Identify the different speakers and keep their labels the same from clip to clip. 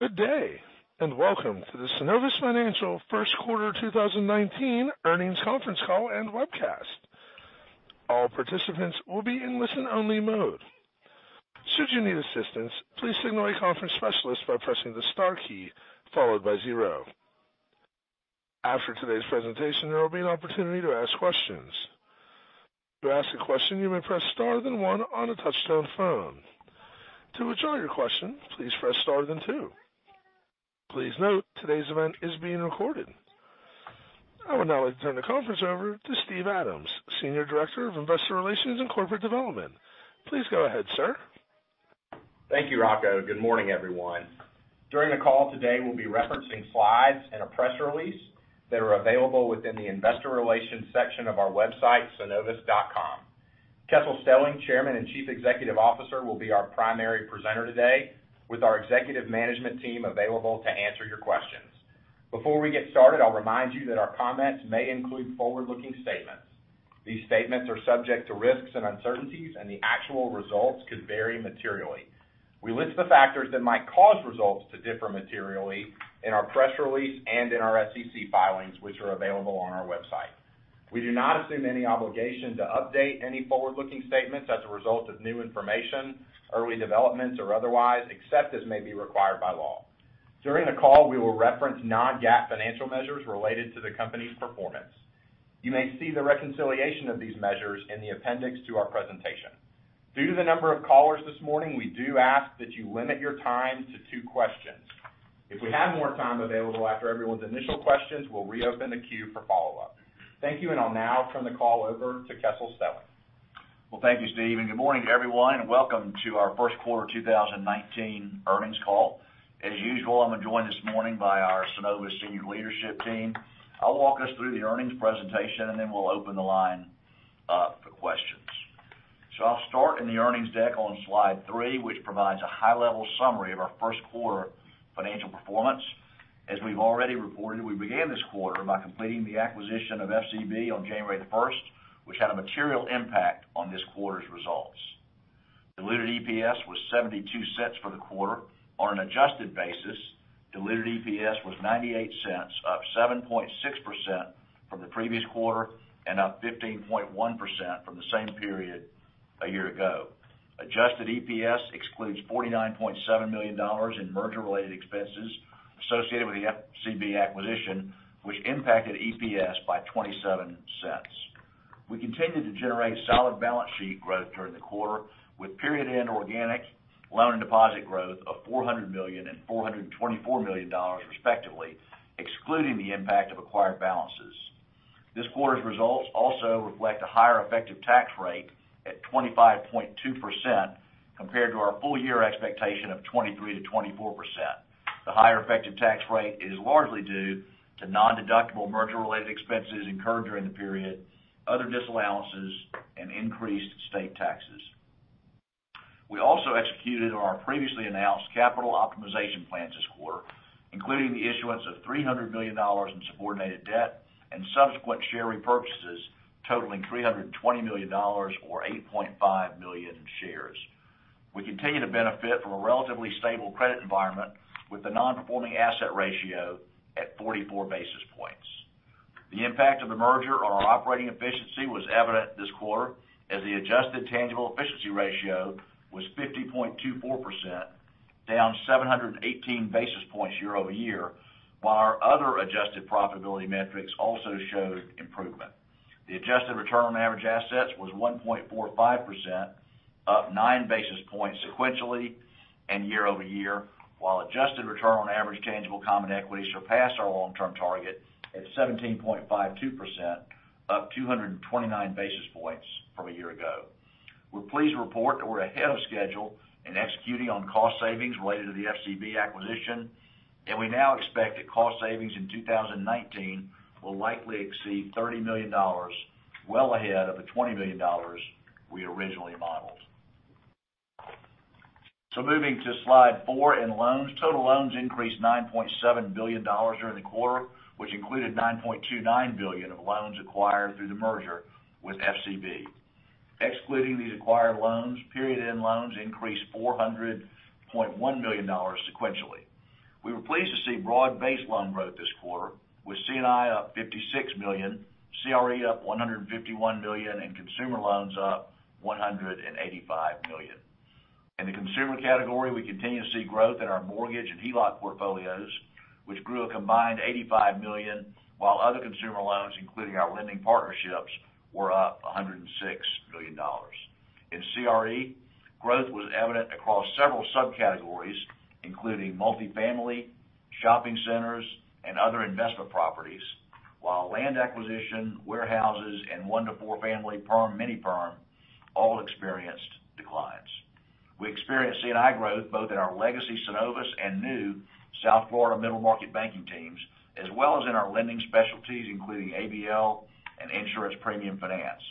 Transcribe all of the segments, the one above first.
Speaker 1: Good day. Welcome to the Synovus Financial first quarter 2019 earnings conference call and webcast. All participants will be in listen-only mode. Should you need assistance, please signal a conference specialist by pressing the star key followed by zero. After today's presentation, there will be an opportunity to ask questions. To ask a question, you may press star, then one on a touchtone phone. To withdraw your question, please press star, then two. Please note, today's event is being recorded. I would now like to turn the conference over to Steve Adams, Senior Director of Investor Relations and Corporate Development. Please go ahead, sir.
Speaker 2: Thank you, Rocco. Good morning, everyone. During the call today, we will be referencing slides and a press release that are available within the investor relations section of our website, synovus.com. Kessel Stelling, Chairman and Chief Executive Officer, will be our primary presenter today with our executive management team available to answer your questions. Before we get started, I will remind you that our comments may include forward-looking statements. These statements are subject to risks and uncertainties. The actual results could vary materially. We list the factors that might cause results to differ materially in our press release and in our SEC filings, which are available on our website. We do not assume any obligation to update any forward-looking statements as a result of new information, early developments, or otherwise, except as may be required by law. During the call, we will reference non-GAAP financial measures related to the company's performance. You may see the reconciliation of these measures in the appendix to our presentation. Due to the number of callers this morning, we do ask that you limit your time to two questions. If we have more time available after everyone's initial questions, we will reopen the queue for follow-up. Thank you. I will now turn the call over to Kessel Stelling.
Speaker 3: Thank you, Steve. Good morning to everyone. Welcome to our first quarter 2019 earnings call. As usual, I am joined this morning by our Synovus senior leadership team. I will walk us through the earnings presentation. Then we will open the line up for questions. I will start in the earnings deck on slide three, which provides a high-level summary of our first quarter financial performance. As we have already reported, we began this quarter by completing the acquisition of FCB on January the first, which had a material impact on this quarter's results. Diluted EPS was $0.72 for the quarter. On an adjusted basis, diluted EPS was $0.98, up 7.6% from the previous quarter and up 15.1% from the same period a year ago. Adjusted EPS excludes $49.7 million in merger-related expenses associated with the FCB acquisition, which impacted EPS by $0.27. We continued to generate solid balance sheet growth during the quarter with period-end organic loan and deposit growth of $400 million and $424 million respectively, excluding the impact of acquired balances. This quarter's results also reflect a higher effective tax rate at 25.2% compared to our full year expectation of 23%-24%. The higher effective tax rate is largely due to nondeductible merger-related expenses incurred during the period, other disallowances and increased state taxes. We also executed on our previously announced capital optimization plans this quarter, including the issuance of $300 million in subordinated debt and subsequent share repurchases totaling $320 million or 8.5 million shares. We continue to benefit from a relatively stable credit environment with the non-performing asset ratio at 44 basis points. The impact of the merger on our operating efficiency was evident this quarter as the adjusted tangible efficiency ratio was 50.24%, down 718 basis points year-over-year, while our other adjusted profitability metrics also showed improvement. The adjusted return on average assets was 1.45%, up nine basis points sequentially and year-over-year, while adjusted return on average tangible common equity surpassed our long-term target at 17.52%, up 229 basis points from a year ago. We're pleased to report that we're ahead of schedule in executing on cost savings related to the FCB acquisition. We now expect that cost savings in 2019 will likely exceed $30 million, well ahead of the $20 million we originally modeled. Moving to slide four in loans. Total loans increased $9.7 billion during the quarter, which included $9.29 billion of loans acquired through the merger with FCB. Excluding these acquired loans, period-end loans increased $400.1 million sequentially. We were pleased to see broad base loan growth this quarter with C&I up $56 million, CRE up $151 million and consumer loans up $185 million. In the consumer category, we continue to see growth in our mortgage and HELOC portfolios, which grew a combined $85 million while other consumer loans, including our lending partnerships, were up $106 million. In CRE, growth was evident across several subcategories, including multifamily, shopping centers, and other investment properties, while land acquisition, warehouses, and one to four family perm, mini perm all experienced declines. We experienced C&I growth both in our legacy Synovus and new South Florida middle market banking teams, as well as in our lending specialties, including ABL and insurance premium finance.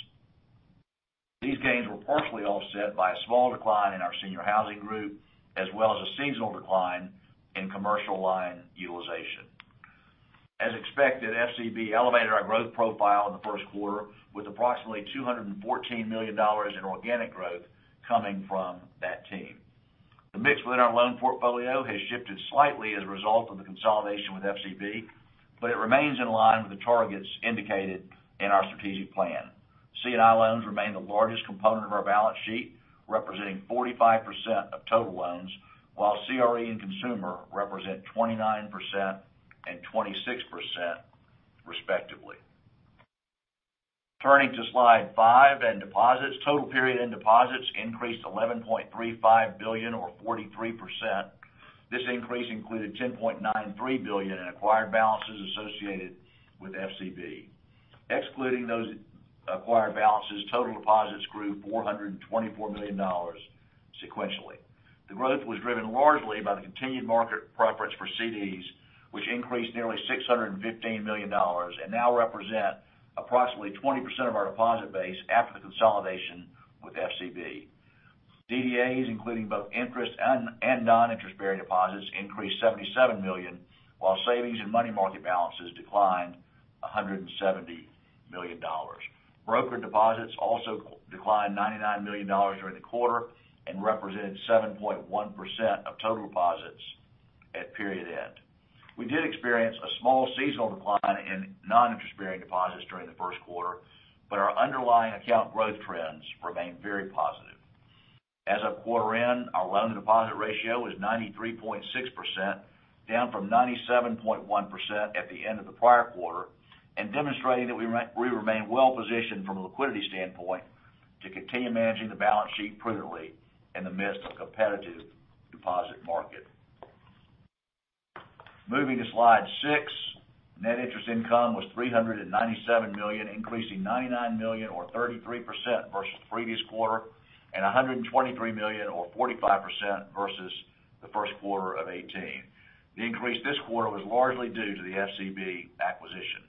Speaker 3: These gains were partially offset by a small decline in our senior housing group, as well as a seasonal decline in commercial line utilization. As expected, FCB elevated our growth profile in the first quarter with approximately $214 million in organic growth coming from that team. The mix within our loan portfolio has shifted slightly as a result of the consolidation with FCB, but it remains in line with the targets indicated in our strategic plan. C&I loans remain the largest component of our balance sheet, representing 45% of total loans, while CRE and consumer represent 29% and 26%, respectively. Turning to slide five and deposits. Total period end deposits increased to $11.35 billion or 43%. This increase included $10.93 billion in acquired balances associated with FCB. Excluding those acquired balances, total deposits grew $424 million sequentially. The growth was driven largely by the continued market preference for CDs, which increased nearly $615 million and now represent approximately 20% of our deposit base after the consolidation with FCB. DDAs, including both interest and non-interest bearing deposits, increased $77 million, while savings and money market balances declined $170 million. Brokered deposits also declined $99 million during the quarter and represented 7.1% of total deposits at period end. We did experience a small seasonal decline in non-interest bearing deposits during the first quarter. Our underlying account growth trends remain very positive. As of quarter end, our loan-to-deposit ratio is 93.6%, down from 97.1% at the end of the prior quarter and demonstrating that we remain well positioned from a liquidity standpoint to continue managing the balance sheet prudently in the midst of a competitive deposit market. Moving to slide six, net interest income was $397 million, increasing $99 million or 33% versus the previous quarter, and $123 million or 45% versus the first quarter of 2018. The increase this quarter was largely due to the FCB acquisition.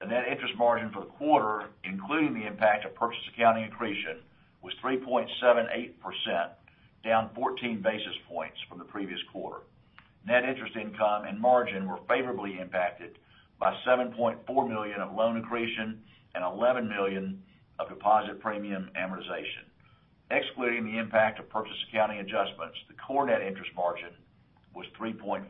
Speaker 3: The net interest margin for the quarter, including the impact of purchase accounting accretion, was 3.78%, down 14 basis points from the previous quarter. Net interest income and margin were favorably impacted by $7.4 million of loan accretion and $11 million of deposit premium amortization. Excluding the impact of purchase accounting adjustments, the core net interest margin was 3.59%.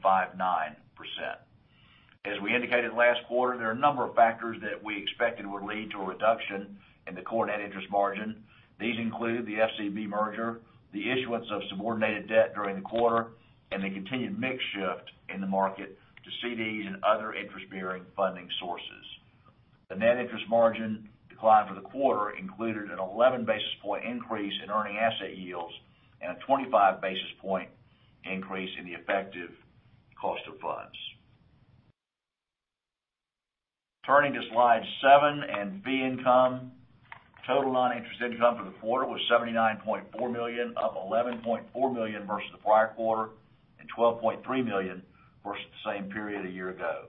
Speaker 3: As we indicated last quarter, there are a number of factors that we expected would lead to a reduction in the core net interest margin. These include the FCB merger, the issuance of subordinated debt during the quarter, and the continued mix shift in the market to CDs and other interest bearing funding sources. The net interest margin decline for the quarter included an 11 basis point increase in earning asset yields and a 25 basis point increase in the effective cost of funds. Turning to slide seven and fee income. Total non-interest income for the quarter was $79.4 million, up $11.4 million versus the prior quarter, and $12.3 million versus the same period a year ago.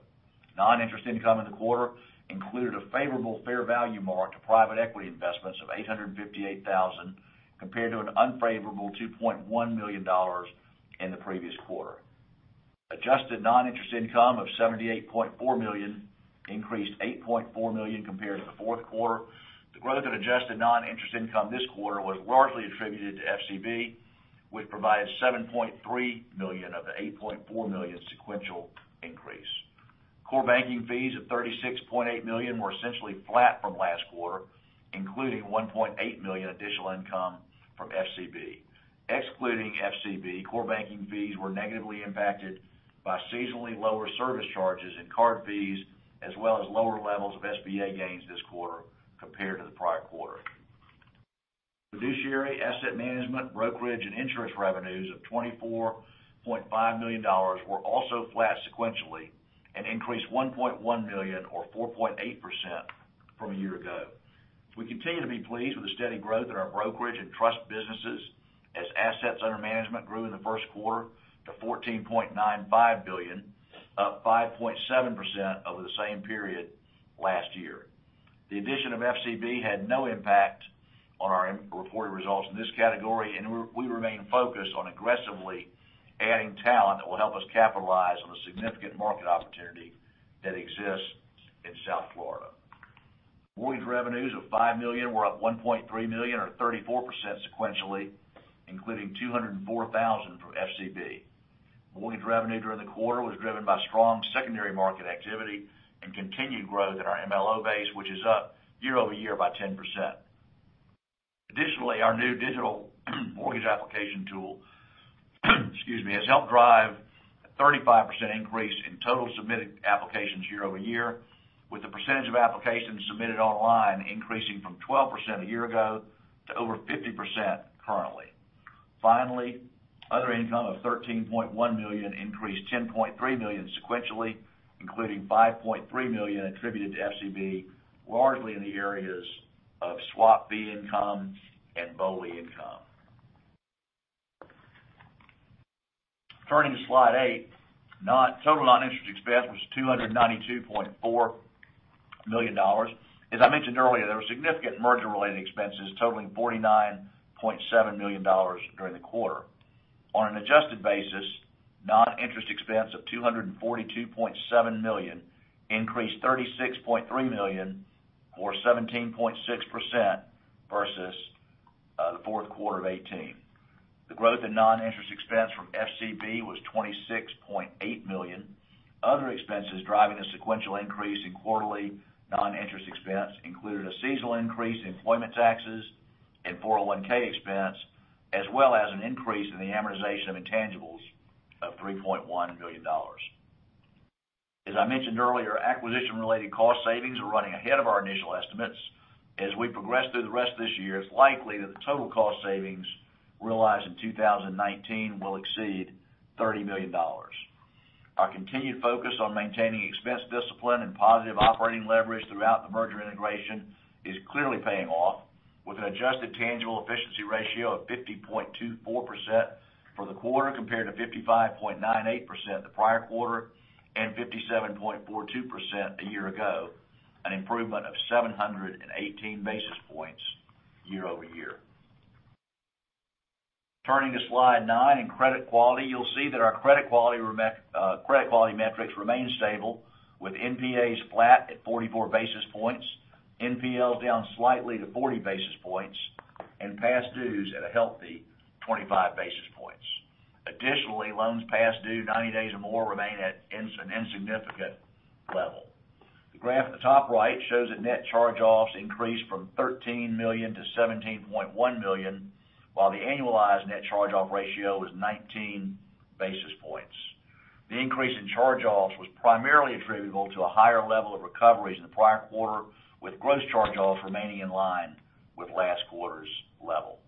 Speaker 3: Non-interest income in the quarter included a favorable fair value mark to private equity investments of $858,000, compared to an unfavorable $2.1 million in the previous quarter. Adjusted non-interest income of $78.4 million increased $8.4 million compared to the fourth quarter. The growth of adjusted non-interest income this quarter was largely attributed to FCB, which provided $7.3 million of the $8.4 million sequential increase. Core banking fees of $36.8 million were essentially flat from last quarter, including $1.8 million additional income from FCB. Excluding FCB, core banking fees were negatively impacted by seasonally lower service charges and card fees, as well as lower levels of SBA gains this quarter compared to the prior quarter. Fiduciary asset management, brokerage and insurance revenues of $24.5 million were also flat sequentially and increased $1.1 million or 4.8% from a year ago. We continue to be pleased with the steady growth in our brokerage and trust businesses as assets under management grew in the first quarter to $14.95 billion, up 5.7% over the same period last year. The addition of FCB had no impact on our reported results in this category. We remain focused on aggressively adding talent that will help us capitalize on the significant market opportunity that exists in South Florida. Mortgage revenues of $5 million were up $1.3 million or 34% sequentially, including $204,000 from FCB. Mortgage revenue during the quarter was driven by strong secondary market activity and continued growth in our MLO base, which is up year-over-year by 10%. Our new digital mortgage application tool has helped drive a 35% increase in total submitted applications year-over-year, with the percentage of applications submitted online increasing from 12% a year ago to over 50% currently. Other income of $13.1 million increased $10.3 million sequentially, including $5.3 million attributed to FCB, largely in the areas of swap fee income and BOLI income. Turning to slide 8, total non-interest expense was $292.4 million. As I mentioned earlier, there were significant merger-related expenses totaling $49.7 million during the quarter. On an adjusted basis, non-interest expense of $242.7 million increased $36.3 million or 17.6% versus the fourth quarter of 2018. The growth in non-interest expense from FCB was $26.8 million. Other expenses driving a sequential increase in quarterly non-interest expense included a seasonal increase in employment taxes and 401 expense, as well as an increase in the amortization of intangibles of $3.1 million. As I mentioned earlier, acquisition-related cost savings are running ahead of our initial estimates. We progress through the rest of this year, it's likely that the total cost savings realized in 2019 will exceed $30 million. Our continued focus on maintaining expense discipline and positive operating leverage throughout the merger integration is clearly paying off, with an adjusted tangible efficiency ratio of 50.24% for the quarter, compared to 55.98% the prior quarter and 57.42% a year ago, an improvement of 718 basis points year-over-year. Turning to slide 9 in credit quality, you'll see that our credit quality metrics remain stable, with NPAs flat at 44 basis points, NPLs down slightly to 40 basis points and past dues at a healthy 25 basis points. Loans past due 90 days or more remain at an insignificant level. The graph at the top right shows that net charge-offs increased from $13 million to $17.1 million, while the annualized net charge-off ratio was 19 basis points. The increase in charge-offs was primarily attributable to a higher level of recoveries in the prior quarter, with gross charge-offs remaining in line with last quarter's level.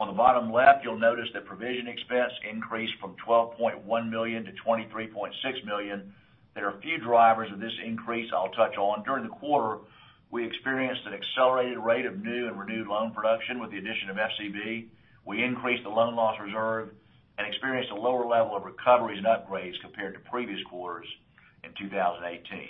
Speaker 3: On the bottom left, you'll notice that provision expense increased from $12.1 million to $23.6 million. There are a few drivers of this increase I'll touch on. During the quarter, we experienced an accelerated rate of new and renewed loan production with the addition of FCB. We increased the loan loss reserve and experienced a lower level of recoveries and upgrades compared to previous quarters in 2018.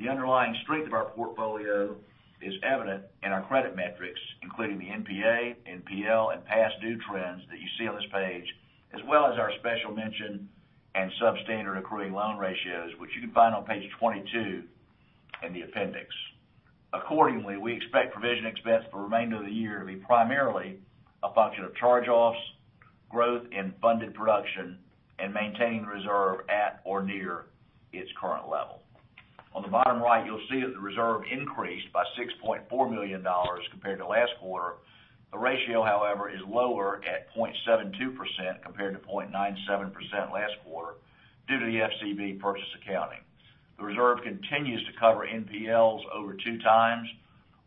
Speaker 3: The underlying strength of our portfolio is evident in our credit metrics, including the NPA, NPL, and past due trends that you see on this page, as well as our special mention and substandard accruing loan ratios, which you can find on page 22 in the appendix. We expect provision expense for the remainder of the year to be primarily a function of charge-offs, growth in funded production, and maintaining reserve at or near its current level. On the bottom right, you'll see that the reserve increased by $6.4 million compared to last quarter. The ratio, however, is lower at 0.72% compared to 0.97% last quarter due to the FCB purchase accounting. The reserve continues to cover NPLs over two times,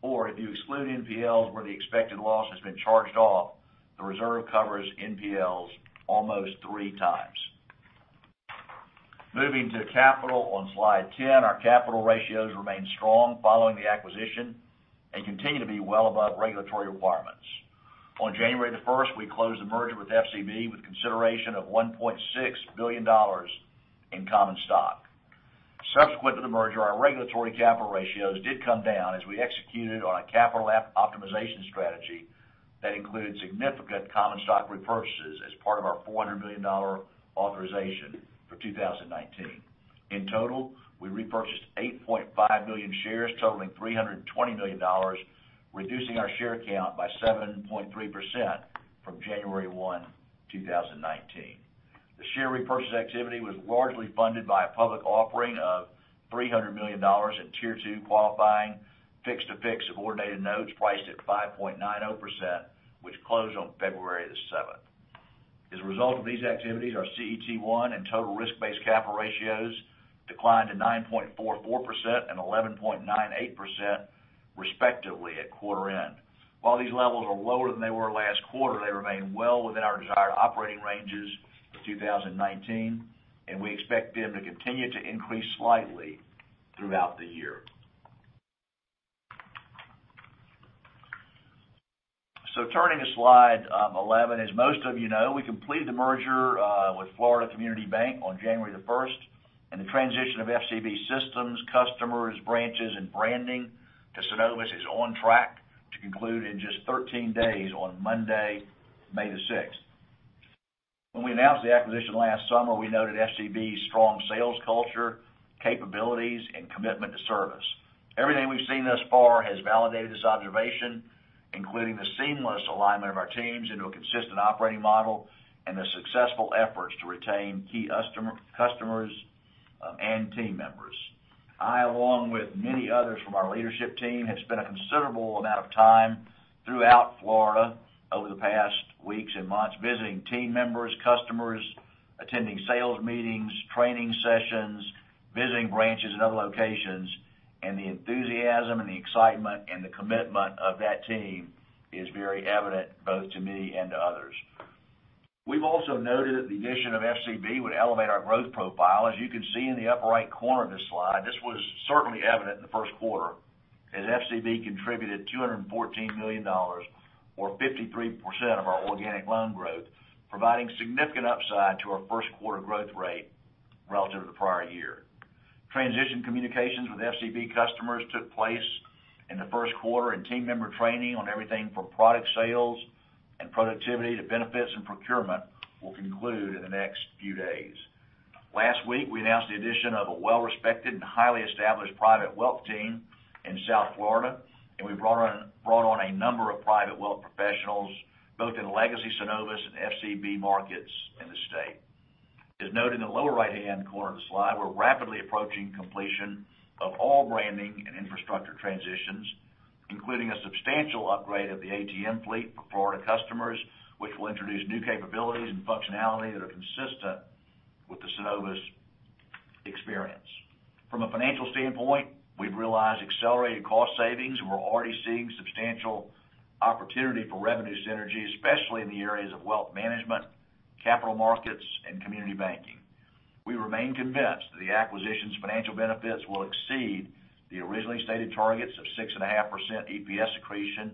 Speaker 3: or if you exclude NPLs where the expected loss has been charged off, the reserve covers NPLs almost three times. Moving to capital on slide 10, our capital ratios remain strong following the acquisition and continue to be well above regulatory requirements. On January the 1st, we closed the merger with FCB with consideration of $1.6 billion in common stock. Subsequent to the merger, our regulatory capital ratios did come down as we executed on a capital optimization strategy that included significant common stock repurchases as part of our $400 million authorization for 2019. In total, we repurchased 8.5 million shares totaling $320 million, reducing our share count by 7.3% from January 1, 2019. The share repurchase activity was largely funded by a public offering of $300 million in Tier 2 qualifying fixed-to-fixed subordinated notes priced at 5.90%, which closed on February the 7th. As a result of these activities, our CET1 and total risk-based capital ratios declined to 9.44% and 11.98%, respectively, at quarter end. While these levels are lower than they were last quarter, they remain well within our desired operating ranges for 2019. We expect them to continue to increase slightly throughout the year. Turning to slide 11, as most of you know, we completed the merger with Florida Community Bank on January the 1st, the transition of FCB systems, customers, branches, and branding to Synovus is on track to conclude in just 13 days on Monday, May the 6th. When we announced the acquisition last summer, we noted FCB's strong sales culture, capabilities, and commitment to service. Everything we've seen thus far has validated this observation, including the seamless alignment of our teams into a consistent operating model and the successful efforts to retain key customers and team members. I, along with many others from our leadership team, have spent a considerable amount of time throughout Florida over the past weeks and months visiting team members, customers, attending sales meetings, training sessions, visiting branches and other locations. The enthusiasm and the excitement and the commitment of that team is very evident both to me and to others. We've also noted that the addition of FCB would elevate our growth profile. As you can see in the upper right corner of this slide, this was certainly evident in the first quarter. As FCB contributed $214 million or 53% of our organic loan growth, providing significant upside to our first quarter growth rate relative to the prior year. Transition communications with FCB customers took place in the first quarter. Team member training on everything from product sales and productivity to benefits and procurement will conclude in the next few days. Last week, we announced the addition of a well-respected and highly established private wealth team in South Florida, and we brought on a number of private wealth professionals both in legacy Synovus and FCB markets in the state. As noted in the lower right-hand corner of the slide, we're rapidly approaching completion of all branding and infrastructure transitions, including a substantial upgrade of the ATM fleet for Florida customers, which will introduce new capabilities and functionality that are consistent with the Synovus experience. From a financial standpoint, we've realized accelerated cost savings, and we're already seeing substantial opportunity for revenue synergy, especially in the areas of wealth management, capital markets, and community banking. We remain convinced that the acquisition's financial benefits will exceed the originally stated targets of 6.5% EPS accretion,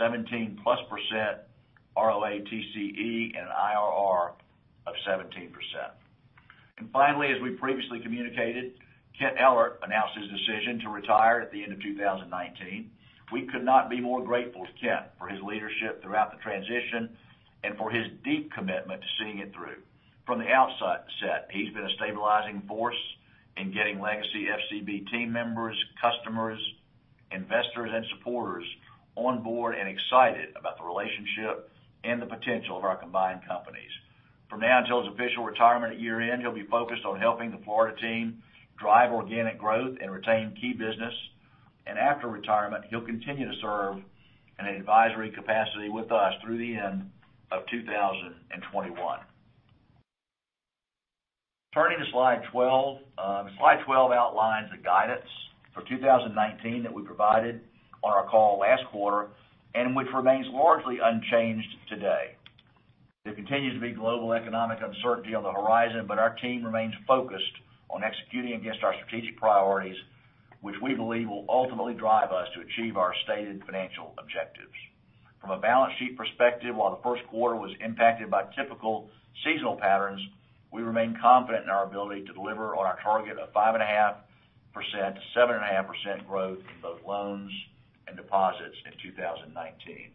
Speaker 3: 17+% ROATCE, and an IRR of 17%. Finally, as we previously communicated, Kent Ellert announced his decision to retire at the end of 2019. We could not be more grateful to Kent for his leadership throughout the transition and for his deep commitment to seeing it through. From the outset, he's been a stabilizing force in getting legacy FCB team members, customers, investors, and supporters on board and excited about the relationship and the potential of our combined companies. From now until his official retirement at year-end, he'll be focused on helping the Florida team drive organic growth and retain key business. After retirement, he'll continue to serve in an advisory capacity with us through the end of 2021. Turning to slide 12. Slide 12 outlines the guidance for 2019 that we provided on our call last quarter and which remains largely unchanged today. There continues to be global economic uncertainty on the horizon, but our team remains focused on executing against our strategic priorities, which we believe will ultimately drive us to achieve our stated financial objectives. From a balance sheet perspective, while the first quarter was impacted by typical seasonal patterns, we remain confident in our ability to deliver on our target of 5.5%-7.5% growth in both loans and deposits in 2019.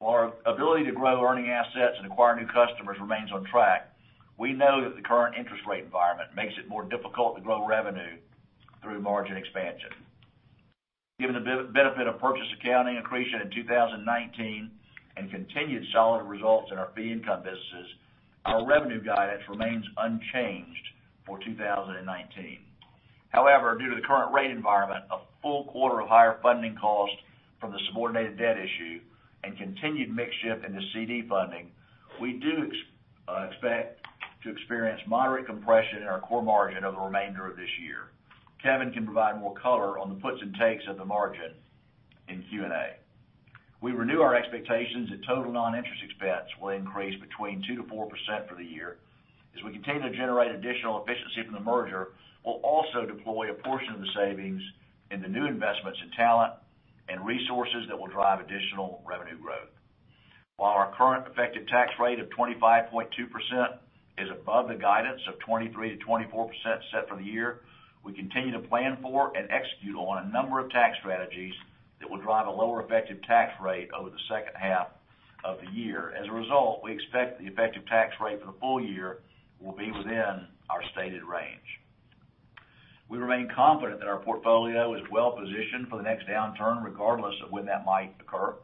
Speaker 3: While our ability to grow earning assets and acquire new customers remains on track, we know that the current interest rate environment makes it more difficult to grow revenue through margin expansion. Given the benefit of purchase accounting accretion in 2019 and continued solid results in our fee income businesses, our revenue guidance remains unchanged for 2019. However, due to the current rate environment, a full quarter of higher funding cost from the subordinated debt issue, and continued mix shift into CD funding, we do expect to experience moderate compression in our core margin over the remainder of this year. Kevin can provide more color on the puts and takes of the margin in Q&A. We renew our expectations that total non-interest expense will increase between 2%-4% for the year. As we continue to generate additional efficiency from the merger, we'll also deploy a portion of the savings into new investments in talent and resources that will drive additional revenue growth. While our current effective tax rate of 25.2% is above the guidance of 23%-24% set for the year, we continue to plan for and execute on a number of tax strategies that will drive a lower effective tax rate over the second half of the year. As a result, we expect the effective tax rate for the full year will be within our stated range. We remain confident that our portfolio is well-positioned for the next downturn, regardless of when that might occur.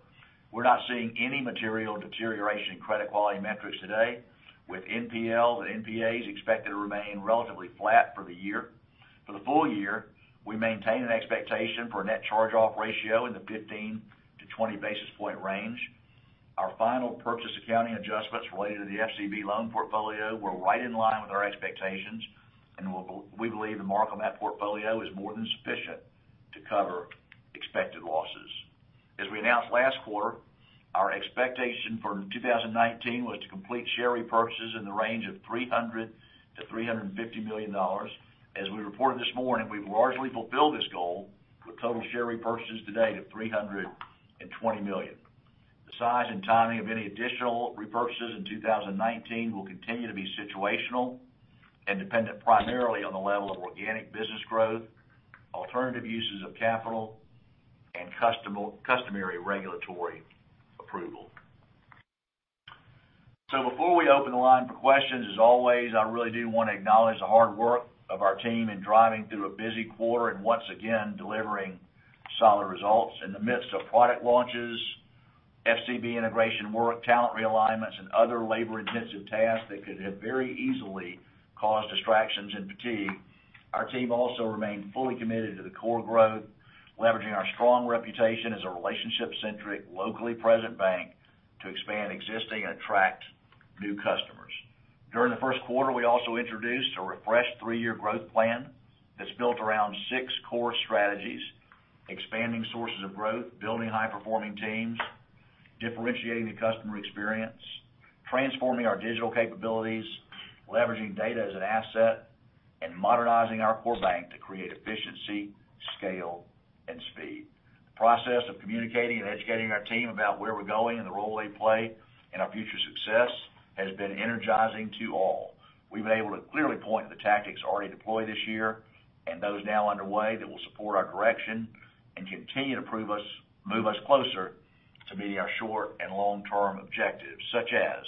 Speaker 3: We're not seeing any material deterioration in credit quality metrics today. With NPLs and NPAs expected to remain relatively flat for the year. For the full year, we maintain an expectation for a net charge-off ratio in the 15-20 basis point range. Our final purchase accounting adjustments related to the FCB loan portfolio were right in line with our expectations, and we believe the mark on that portfolio is more than sufficient to cover expected losses. As we announced last quarter, our expectation for 2019 was to complete share repurchases in the range of $300 million-$350 million. As we reported this morning, we've largely fulfilled this goal with total share repurchases to date of $320 million. The size and timing of any additional repurchases in 2019 will continue to be situational and dependent primarily on the level of organic business growth, alternative uses of capital, and customary regulatory approval. Before we open the line for questions, as always, I really do want to acknowledge the hard work of our team in driving through a busy quarter and once again, delivering solid results. In the midst of product launches, FCB integration work, talent realignments, and other labor-intensive tasks that could have very easily caused distractions and fatigue, our team also remained fully committed to the core growth, leveraging our strong reputation as a relationship-centric, locally present bank to expand existing and attract new customers. During the first quarter, we also introduced a refreshed three-year growth plan that's built around six core strategies: expanding sources of growth, building high-performing teams, differentiating the customer experience, transforming our digital capabilities, leveraging data as an asset, and modernizing our core bank to create efficiency, scale, and speed. The process of communicating and educating our team about where we're going and the role they play in our future success has been energizing to all. We've been able to clearly point to the tactics already deployed this year and those now underway that will support our direction and continue to move us closer to meeting our short and long-term objectives, such as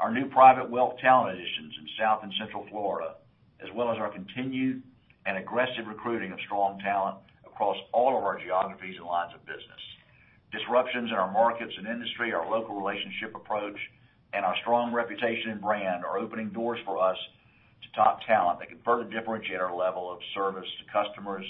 Speaker 3: our new private wealth talent additions in South and Central Florida, as well as our continued and aggressive recruiting of strong talent across all of our geographies and lines of business. Disruptions in our markets and industry, our local relationship approach, and our strong reputation and brand are opening doors for us to top talent that can further differentiate our level of service to customers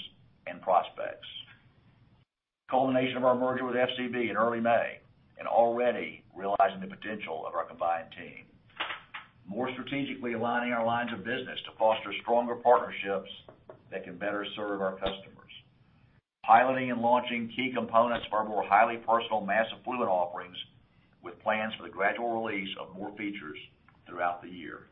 Speaker 3: and prospects. This includes the culmination of our merger with FCB in early May and already realizing the potential of our combined team. This includes more strategically aligning our lines of business to foster stronger partnerships that can better serve our customers. Piloting and launching key components for our more highly personal mass affluent offerings with plans for the gradual release of more features throughout the year.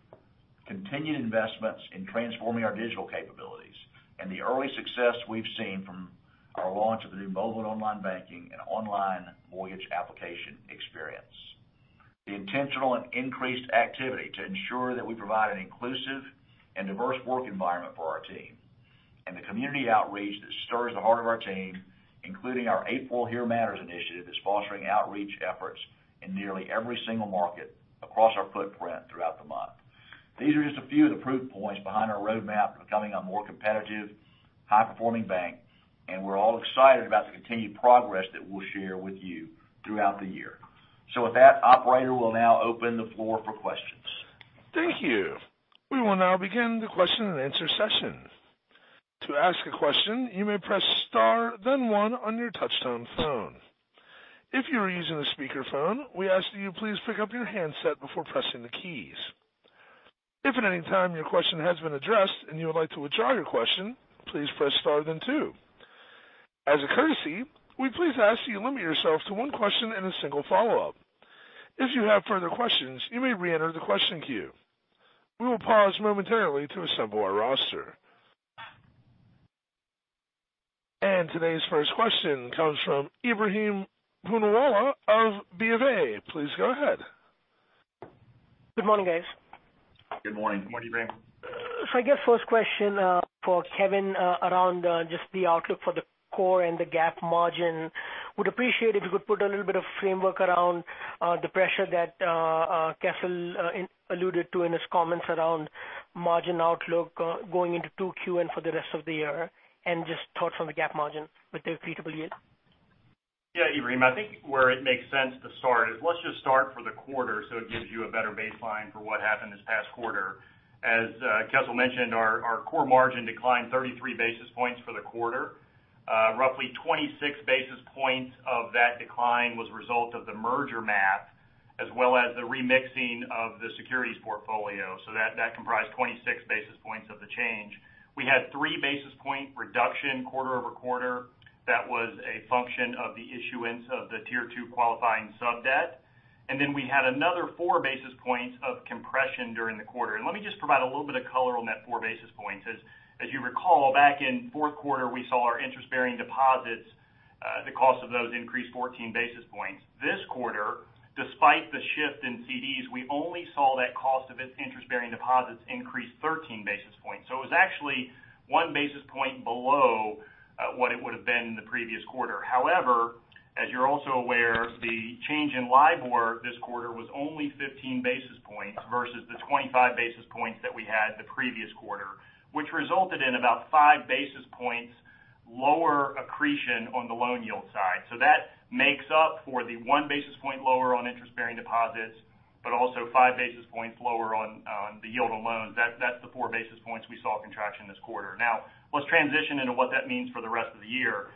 Speaker 3: Continued investments in transforming our digital capabilities and the early success we've seen from our launch of the new mobile and online banking and online mortgage application experience. The intentional and increased activity to ensure that we provide an inclusive and diverse work environment for our team and the community outreach that stirs the heart of our team, including our April Here Matters initiative that's sponsoring outreach efforts in nearly every single market across our footprint throughout the month. These are just a few of the proof points behind our roadmap to becoming a more competitive, high-performing bank, and we're all excited about the continued progress that we'll share with you throughout the year. With that, operator, we'll now open the floor for questions.
Speaker 1: Thank you. We will now begin the question and answer session. To ask a question, you may press star then one on your touchtone phone. If you are using a speakerphone, we ask that you please pick up your handset before pressing the keys. If at any time your question has been addressed and you would like to withdraw your question, please press star then two. As a courtesy, we please ask that you limit yourself to one question and a single follow-up. If you have further questions, you may reenter the question queue. We will pause momentarily to assemble our roster. Today's first question comes from Ebrahim Poonawala of BofA. Please go ahead.
Speaker 4: Good morning, guys.
Speaker 3: Good morning.
Speaker 5: Good morning, Ebrahim.
Speaker 4: I guess first question for Kevin around just the outlook for the core and the GAAP margin. Would appreciate if you could put a little bit of framework around the pressure that Kessel alluded to in his comments around margin outlook going into 2Q and for the rest of the year, and just thoughts on the GAAP margin with the repeatable yield.
Speaker 5: Ebrahim, I think where it makes sense to start is let's just start for the quarter it gives you a better baseline for what happened this past quarter. As Kessel mentioned, our core margin declined 33 basis points for the quarter. Roughly 26 basis points of that decline was a result of the merger math as well as the remixing of the securities portfolio. That comprised 26 basis points of the change. We had 3 basis point reduction quarter-over-quarter. That was a function of the issuance of the Tier 2 qualifying sub-debt. Then we had another 4 basis points of compression during the quarter. Let me just provide a little bit of color on that 4 basis points. As you recall, back in fourth quarter, we saw our interest-bearing deposits, the cost of those increased 14 basis points. This quarter, despite the shift in CDs, we only saw that cost of its interest-bearing deposits increase 13 basis points. It was actually 1 basis point below what it would've been in the previous quarter. However, as you're also aware, the change in LIBOR this quarter was only 15 basis points versus the 25 basis points that we had the previous quarter, which resulted in about 5 basis points lower accretion on the loan yield side. That makes up for the 1 basis point lower on interest-bearing deposits, but also 5 basis points lower on the yield of loans. That's the 4 basis points we saw contraction this quarter. Let's transition into what that means for the rest of the year.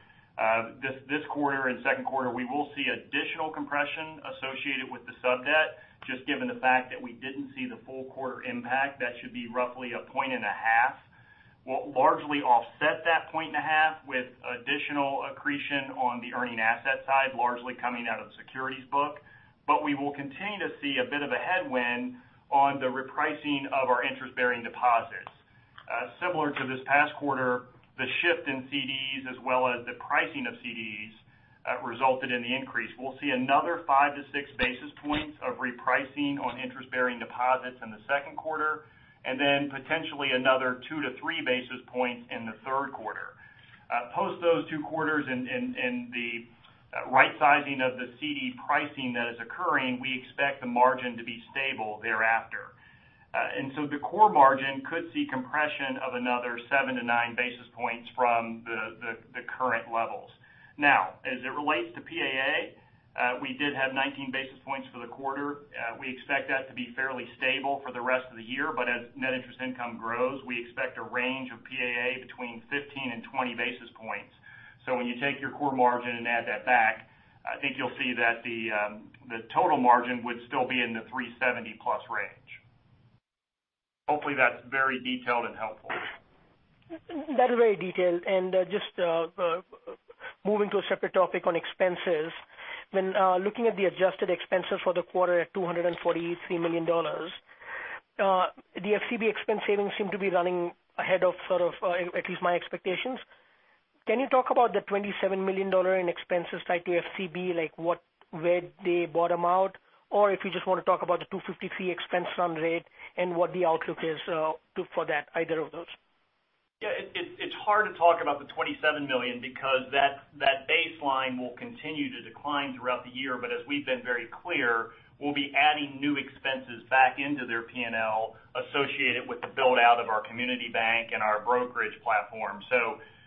Speaker 5: This quarter and second quarter, we will see additional compression associated with the sub-debt, just given the fact that we didn't see the full quarter impact. That should be roughly a point and a half. We'll largely offset that point and a half with additional accretion on the earning asset side, largely coming out of the securities book. We will continue to see a bit of a headwind on the repricing of our interest-bearing deposits. Similar to this past quarter, the shift in CDs as well as the pricing of CDs resulted in the increase. We'll see another 5 to 6 basis points of repricing on interest-bearing deposits in the second quarter, then potentially another 2 to 3 basis points in the third quarter. Post those two quarters and the right-sizing of the CD pricing that is occurring, we expect the margin to be stable thereafter. The core margin could see compression of another 7 to 9 basis points from the current levels. As it relates to PAA, we did have 19 basis points for the quarter. We expect that to be fairly stable for the rest of the year, as net interest income grows, we expect a range of PAA between 15 and 20 basis points. When you take your core margin and add that back, I think you'll see that the total margin would still be in the 370 plus range. Hopefully that's very detailed and helpful.
Speaker 4: That is very detailed. Just moving to a separate topic on expenses. When looking at the adjusted expenses for the quarter at $243 million, the FCB expense savings seem to be running ahead of at least my expectations. Can you talk about the $27 million in expenses tied to FCB? Like where they bottom out? If you just want to talk about the $253 million expense run rate and what the outlook is for that, either of those.
Speaker 5: Yeah. It's hard to talk about the $27 million because that baseline will continue to decline throughout the year. As we've been very clear, we'll be adding new expenses back into their P&L associated with the build-out of our community bank and our brokerage platform.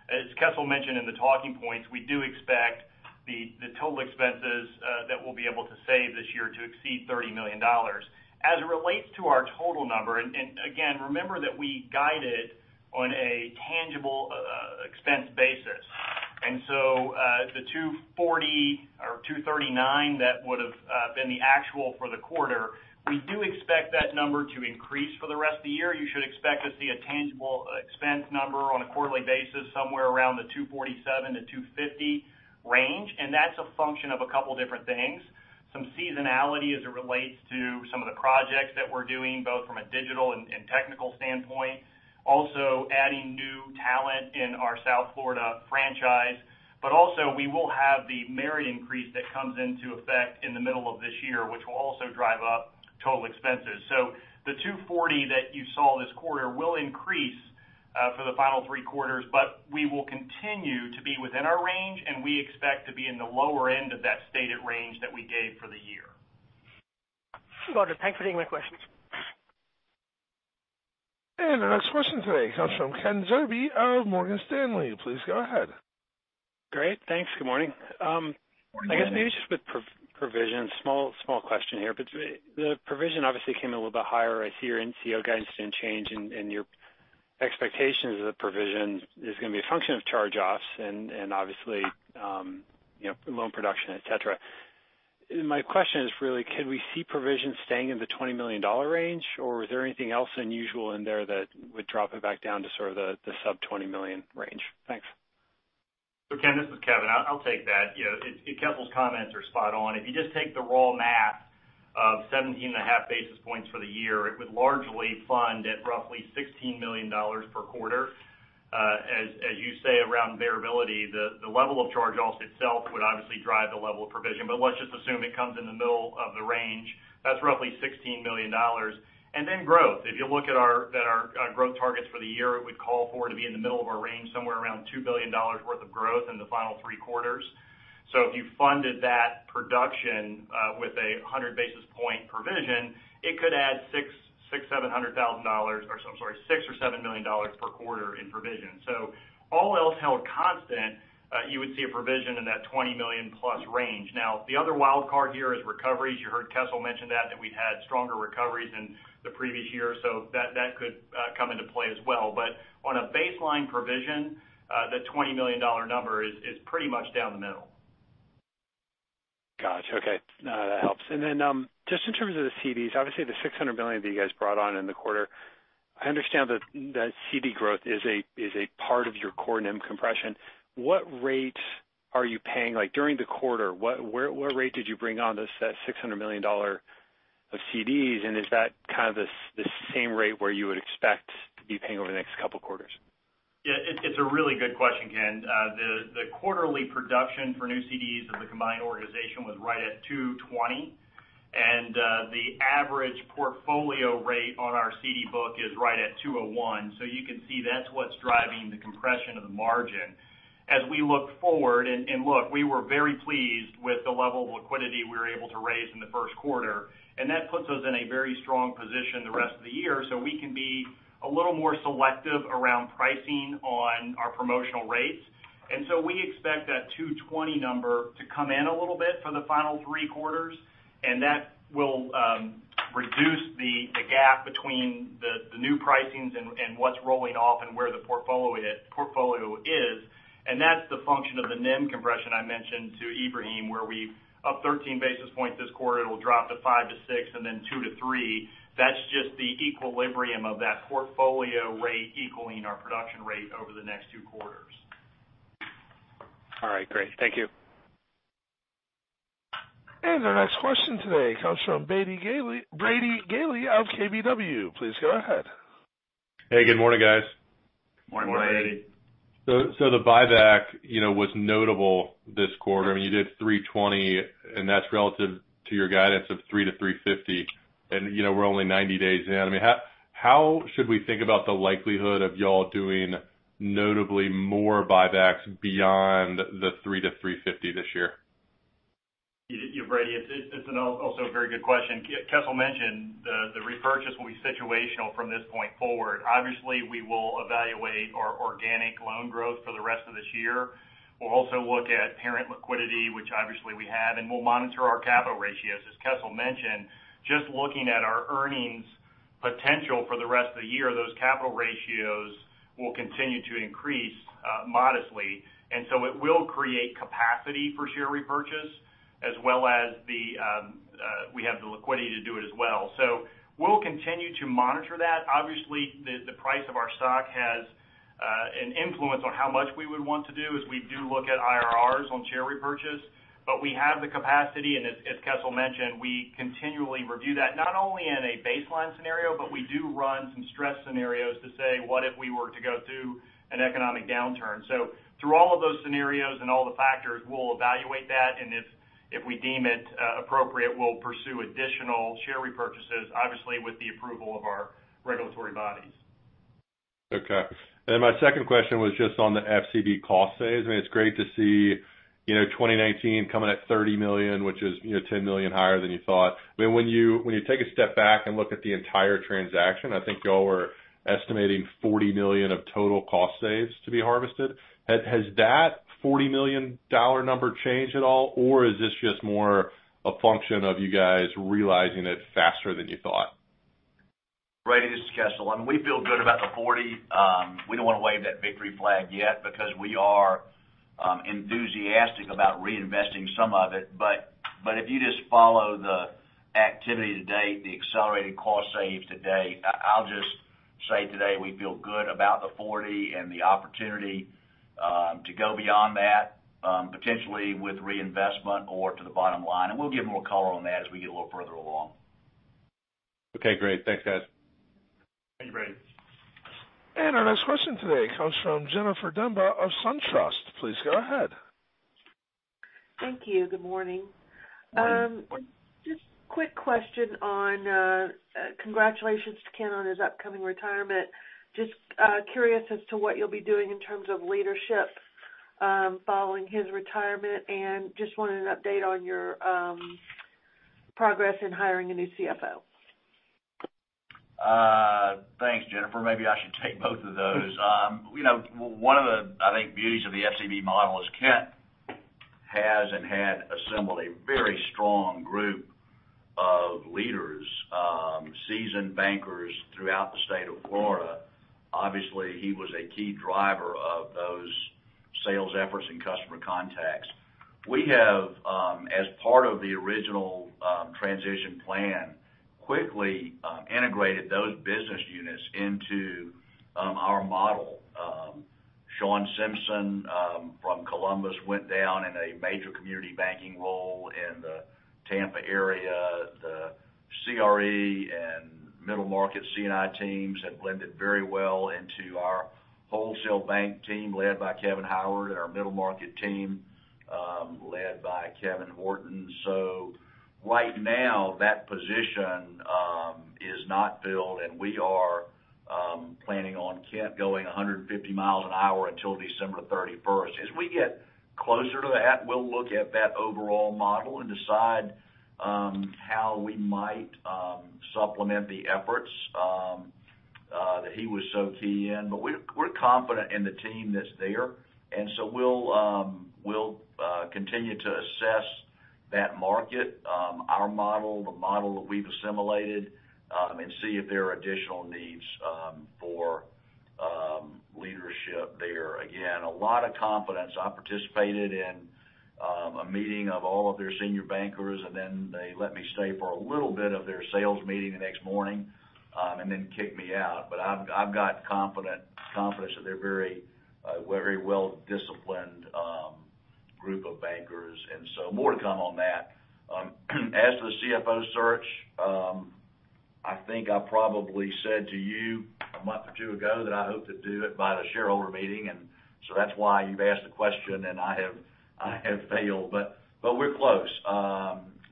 Speaker 5: As Kessel mentioned in the talking points, we do expect the total expenses that we'll be able to save this year to exceed $30 million. As it relates to our total number, again, remember that we guided on a tangible expense basis, the $240 million or $239 million, that would've been the actual for the quarter. We do expect that number to increase for the rest of the year. You should expect to see a tangible expense number on a quarterly basis, somewhere around the $247 million to $250 million range. That's a function of a couple different things. Some seasonality as it relates to some of the projects that we're doing, both from a digital and technical standpoint. Also adding new talent in our South Florida franchise. Also we will have the merit increase that comes into effect in the middle of this year, which will also drive up total expenses. The $240 that you saw this quarter will increase for the final three quarters. We will continue to be within our range, and we expect to be in the lower end of that stated range that we gave for the year.
Speaker 4: Roger, thanks for taking my questions.
Speaker 1: Our next question today comes from Ken Zerbe of Morgan Stanley. Please go ahead.
Speaker 6: Great, thanks. Good morning.
Speaker 5: Morning.
Speaker 6: I guess maybe just with provision, small question here. The provision obviously came a little bit higher. I see your NCO guidance didn't change. Your expectations of the provision is going to be a function of charge-offs and obviously, loan production, et cetera. My question is really could we see provision staying in the $20 million range, or is there anything else unusual in there that would drop it back down to sort of the sub $20 million range? Thanks.
Speaker 5: Ken, this is Kevin. I'll take that. Kessel's comments are spot on. If you just take the raw math of 17 and a half basis points for the year, it would largely fund at roughly $16 million per quarter. As you say, around variability, the level of charge-offs itself would obviously drive the level of provision. Let's just assume it comes in the middle of the range. That's roughly $16 million. Growth. If you look at our growth targets for the year, it would call for to be in the middle of our range, somewhere around $2 billion worth of growth in the final three quarters. If you funded that production with a 100 basis point provision, it could add six or $7 million per quarter in provision. All else held constant, you would see a provision in that $20 million plus range. The other wild card here is recoveries. You heard Kessel mention that we've had stronger recoveries in the previous year, so that could come into play as well. On a baseline provision, the $20 million number is pretty much down the middle.
Speaker 6: Got you. Okay. That helps. Just in terms of the CDs, obviously the $600 million that you guys brought on in the quarter, I understand that CD growth is a part of your core NIM compression. What rate are you paying? Like during the quarter, what rate did you bring on that $600 million of CDs? Is that kind of the same rate where you would expect to be paying over the next couple quarters?
Speaker 5: It's a really good question, Ken. The quarterly production for new CDs of the combined organization was right at 220, and the average portfolio rate on our CD book is right at 201. You can see that's what's driving the compression of the margin. As we look forward, we were very pleased with the level of liquidity we were able to raise in the first quarter, and that puts us in a very strong position the rest of the year, so we can be a little more selective around pricing on our promotional rates. We expect that 220 number to come in a little bit for the final three quarters, and that will reduce the gap between the new pricings and what's rolling off and where the portfolio is. That's the function of the NIM compression I mentioned to Ebrahim where we up 13 basis points this quarter, it'll drop to 5-6 and then 2-3. That's just the equilibrium of that portfolio rate equaling our production rate over the next two quarters.
Speaker 6: All right, great. Thank you.
Speaker 1: Our next question today comes from Brady Gailey of KBW. Please go ahead.
Speaker 7: Hey, good morning, guys.
Speaker 5: Morning, Brady.
Speaker 7: The buyback was notable this quarter. I mean, you did $320, and that's relative to your guidance of $300 million-$350 million, we're only 90 days in. I mean, how should we think about the likelihood of you all doing notably more buybacks beyond the $300 million-$350 million this year?
Speaker 5: Yeah, Brady, it's also a very good question. Kessel mentioned the repurchase will be situational from this point forward. Obviously, we will evaluate our organic loan growth for the rest of this year. We'll also look at parent liquidity, which obviously we have, and we'll monitor our capital ratios. As Kessel mentioned, just looking at our earnings potential for the rest of the year, those capital ratios will continue to increase modestly, it will create capacity for share repurchase as well as We have the liquidity to do it as well. We'll continue to monitor that. Obviously, the price of our stock has an influence on how much we would want to do as we do look at IRRs on share repurchase, but we have the capacity, and as Kessel mentioned, we continually review that, not only in a baseline scenario, but we do run some stress scenarios to say, what if we were to go through an economic downturn? Through all of those scenarios and all the factors, we'll evaluate that, and if we deem it appropriate, we'll pursue additional share repurchases, obviously with the approval of our regulatory bodies.
Speaker 7: Okay. My second question was just on the FCB cost saves. It's great to see 2019 coming at $30 million, which is $10 million higher than you thought. When you take a step back and look at the entire transaction, I think you all were estimating $40 million of total cost saves to be harvested. Has that $40 million number changed at all, or is this just more a function of you guys realizing it faster than you thought?
Speaker 3: Brady, this is Kessel. We feel good about the $40. We don't want to wave that victory flag yet because we are enthusiastic about reinvesting some of it. If you just follow the activity to date, the accelerated cost saves to date, I'll just say today we feel good about the $40 and the opportunity to go beyond that, potentially with reinvestment or to the bottom line. We'll give more color on that as we get a little further along.
Speaker 7: Okay, great. Thanks, guys.
Speaker 5: Thank you, Brady.
Speaker 1: Our next question today comes from Jennifer Demba of SunTrust. Please go ahead.
Speaker 8: Thank you. Good morning.
Speaker 3: Morning.
Speaker 8: Congratulations to Ken on his upcoming retirement. Just curious as to what you'll be doing in terms of leadership following his retirement, and just wanted an update on your progress in hiring a new CFO.
Speaker 3: Thanks, Jennifer. Maybe I should take both of those. One of the, I think, beauties of the FCB model is Kent has and had assembled a very strong group of leaders, seasoned bankers throughout the state of Florida. Obviously, he was a key driver of those sales efforts and customer contacts. We have, as part of the original transition plan, quickly integrated those business units into our model. Sean Simpson from Columbus went down in a major community banking role in the Tampa area. The CRE and middle market C&I teams have blended very well into our wholesale bank team led by Kevin Howard and our middle market team led by Kevin Horton. Right now, that position is not filled, and we are planning on Kent going 150 miles an hour until December 31st. As we get closer to that, we'll look at that overall model and decide how we might supplement the efforts that he was so key in. We're confident in the team that's there. We'll continue to assess that market, our model, the model that we've assimilated, and see if there are additional needs for leadership there. Again, a lot of confidence. I participated in a meeting of all of their senior bankers, and then they let me stay for a little bit of their sales meeting the next morning, and then kicked me out. I've got confidence that they're a very well-disciplined group of bankers, and so more to come on that. As to the CFO search, I think I probably said to you a month or two ago that I hope to do it by the shareholder meeting. That's why you've asked the question, and I have failed, but we're close.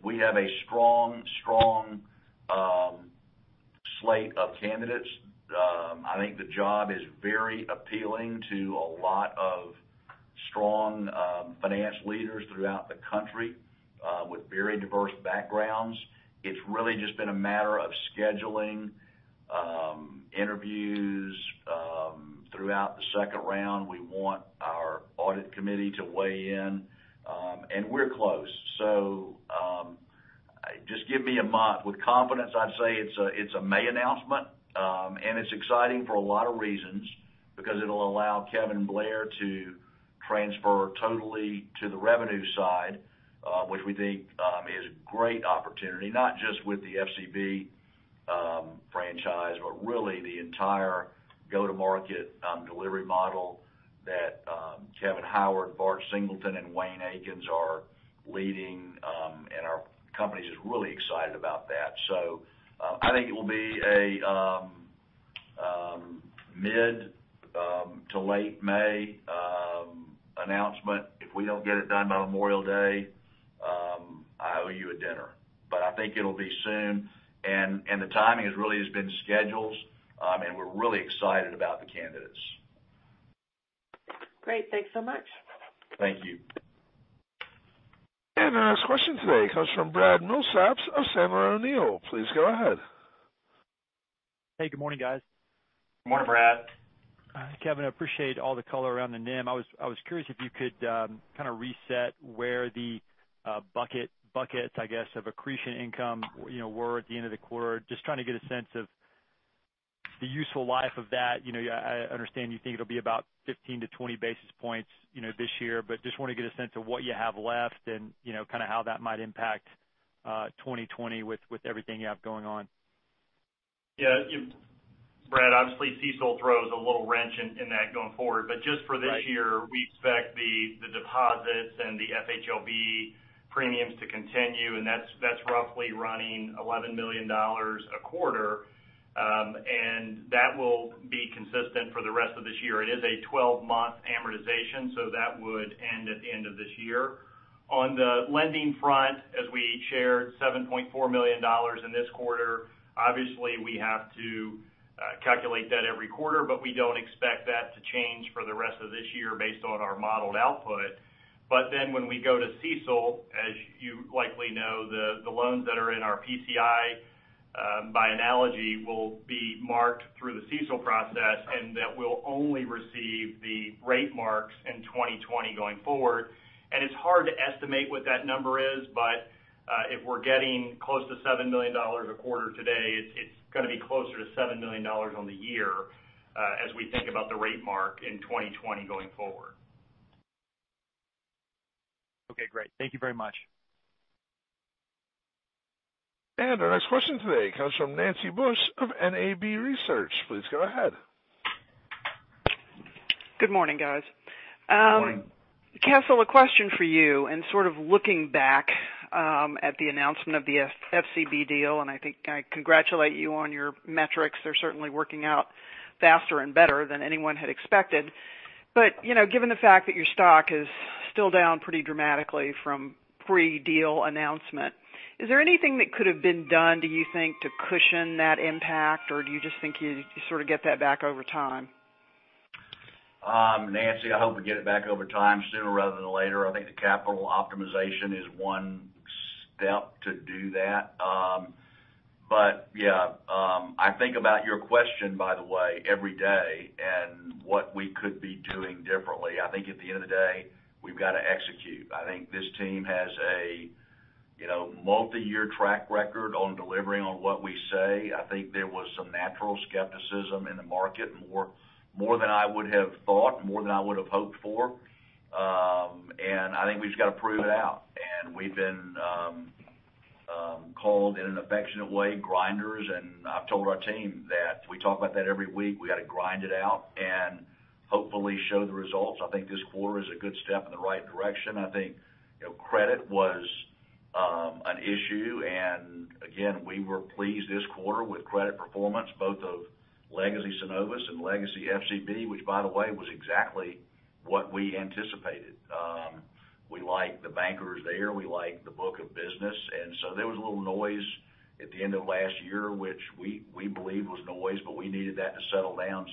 Speaker 3: We have a strong slate of candidates. I think the job is very appealing to a lot of strong finance leaders throughout the country with very diverse backgrounds. It's really just been a matter of scheduling interviews throughout the second round. We want our audit committee to weigh in, and we're close. Just give me a month. With confidence, I'd say it's a May announcement, and it's exciting for a lot of reasons because it'll allow Kevin Blair to transfer totally to the revenue side which we think is a great opportunity, not just with the FCB franchise, but really the entire go-to-market delivery model that Kevin Howard, Bart Singleton, and Wayne Akins are leading, and our company is just really excited about that. I think it will be a mid to late May announcement. If we don't get it done by Memorial Day, I owe you a dinner, but I think it'll be soon. The timing really has been schedules, and we're really excited about the candidates.
Speaker 8: Great. Thanks so much.
Speaker 3: Thank you.
Speaker 1: Our next question today comes from Brad Milsaps of Sandler O'Neill. Please go ahead.
Speaker 9: Hey, good morning, guys.
Speaker 3: Good morning, Brad.
Speaker 9: Kevin, I appreciate all the color around the NIM. I was curious if you could kind of reset where the buckets, I guess, of accretion income were at the end of the quarter. Just trying to get a sense of the useful life of that, I understand you think it'll be about 15 to 20 basis points this year, but just want to get a sense of what you have left and kind of how that might impact 2020 with everything you have going on.
Speaker 5: Yeah. Brad, obviously CECL throws a little wrench in that going forward. Just for this year, we expect the deposits and the FHLB premiums to continue, and that's roughly running $11 million a quarter. That will be consistent for the rest of this year. It is a 12-month amortization, so that would end at the end of this year. On the lending front, as we shared, $7.4 million in this quarter. Obviously, we have to calculate that every quarter, we don't expect that to change for the rest of this year based on our modeled output. When we go to CECL, as you likely know, the loans that are in our PCI, by analogy, will be marked through the CECL process, and that will only receive the rate marks in 2020 going forward. It's hard to estimate what that number is, if we're getting close to $7 million a quarter today, it's going to be closer to $7 million on the year as we think about the rate mark in 2020 going forward.
Speaker 9: Okay, great. Thank you very much.
Speaker 1: Our next question today comes from Nancy Bush of NAB Research. Please go ahead.
Speaker 10: Good morning, guys.
Speaker 5: Morning.
Speaker 10: Kessel, a question for you, and sort of looking back at the announcement of the FCB deal, and I congratulate you on your metrics. They're certainly working out faster and better than anyone had expected. Given the fact that your stock is still down pretty dramatically from pre-deal announcement, is there anything that could have been done, do you think, to cushion that impact, or do you just think you sort of get that back over time?
Speaker 3: Nancy, I hope we get it back over time sooner rather than later. I think the capital optimization is one step to do that. Yeah. I think about your question, by the way, every day and what we could be doing differently. I think at the end of the day, we've got to execute. I think this team has a multi-year track record on delivering on what we say. I think there was some natural skepticism in the market, more than I would have thought, more than I would have hoped for. I think we've just got to prove it out. We've been called, in an affectionate way, grinders, and I've told our team that. We talk about that every week. We got to grind it out and hopefully show the results. I think this quarter is a good step in the right direction. I think credit was an issue, again, we were pleased this quarter with credit performance, both of legacy Synovus and legacy FCB, which by the way, was exactly what we anticipated. We like the bankers there, we like the book of business. There was a little noise at the end of last year, which we believe was noise, but we needed that to settle down.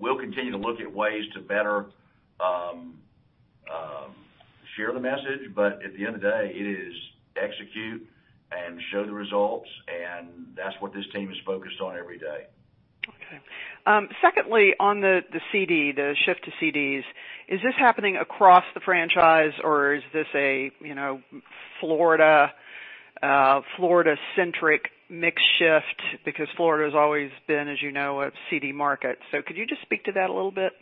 Speaker 3: We'll continue to look at ways to better share the message, but at the end of the day, it is execute and show the results, and that's what this team is focused on every day.
Speaker 10: Okay. Secondly, on the CD, the shift to CDs, is this happening across the franchise or is this a Florida-centric mix shift? Because Florida's always been, as you know, a CD market. Could you just speak to that a little bit?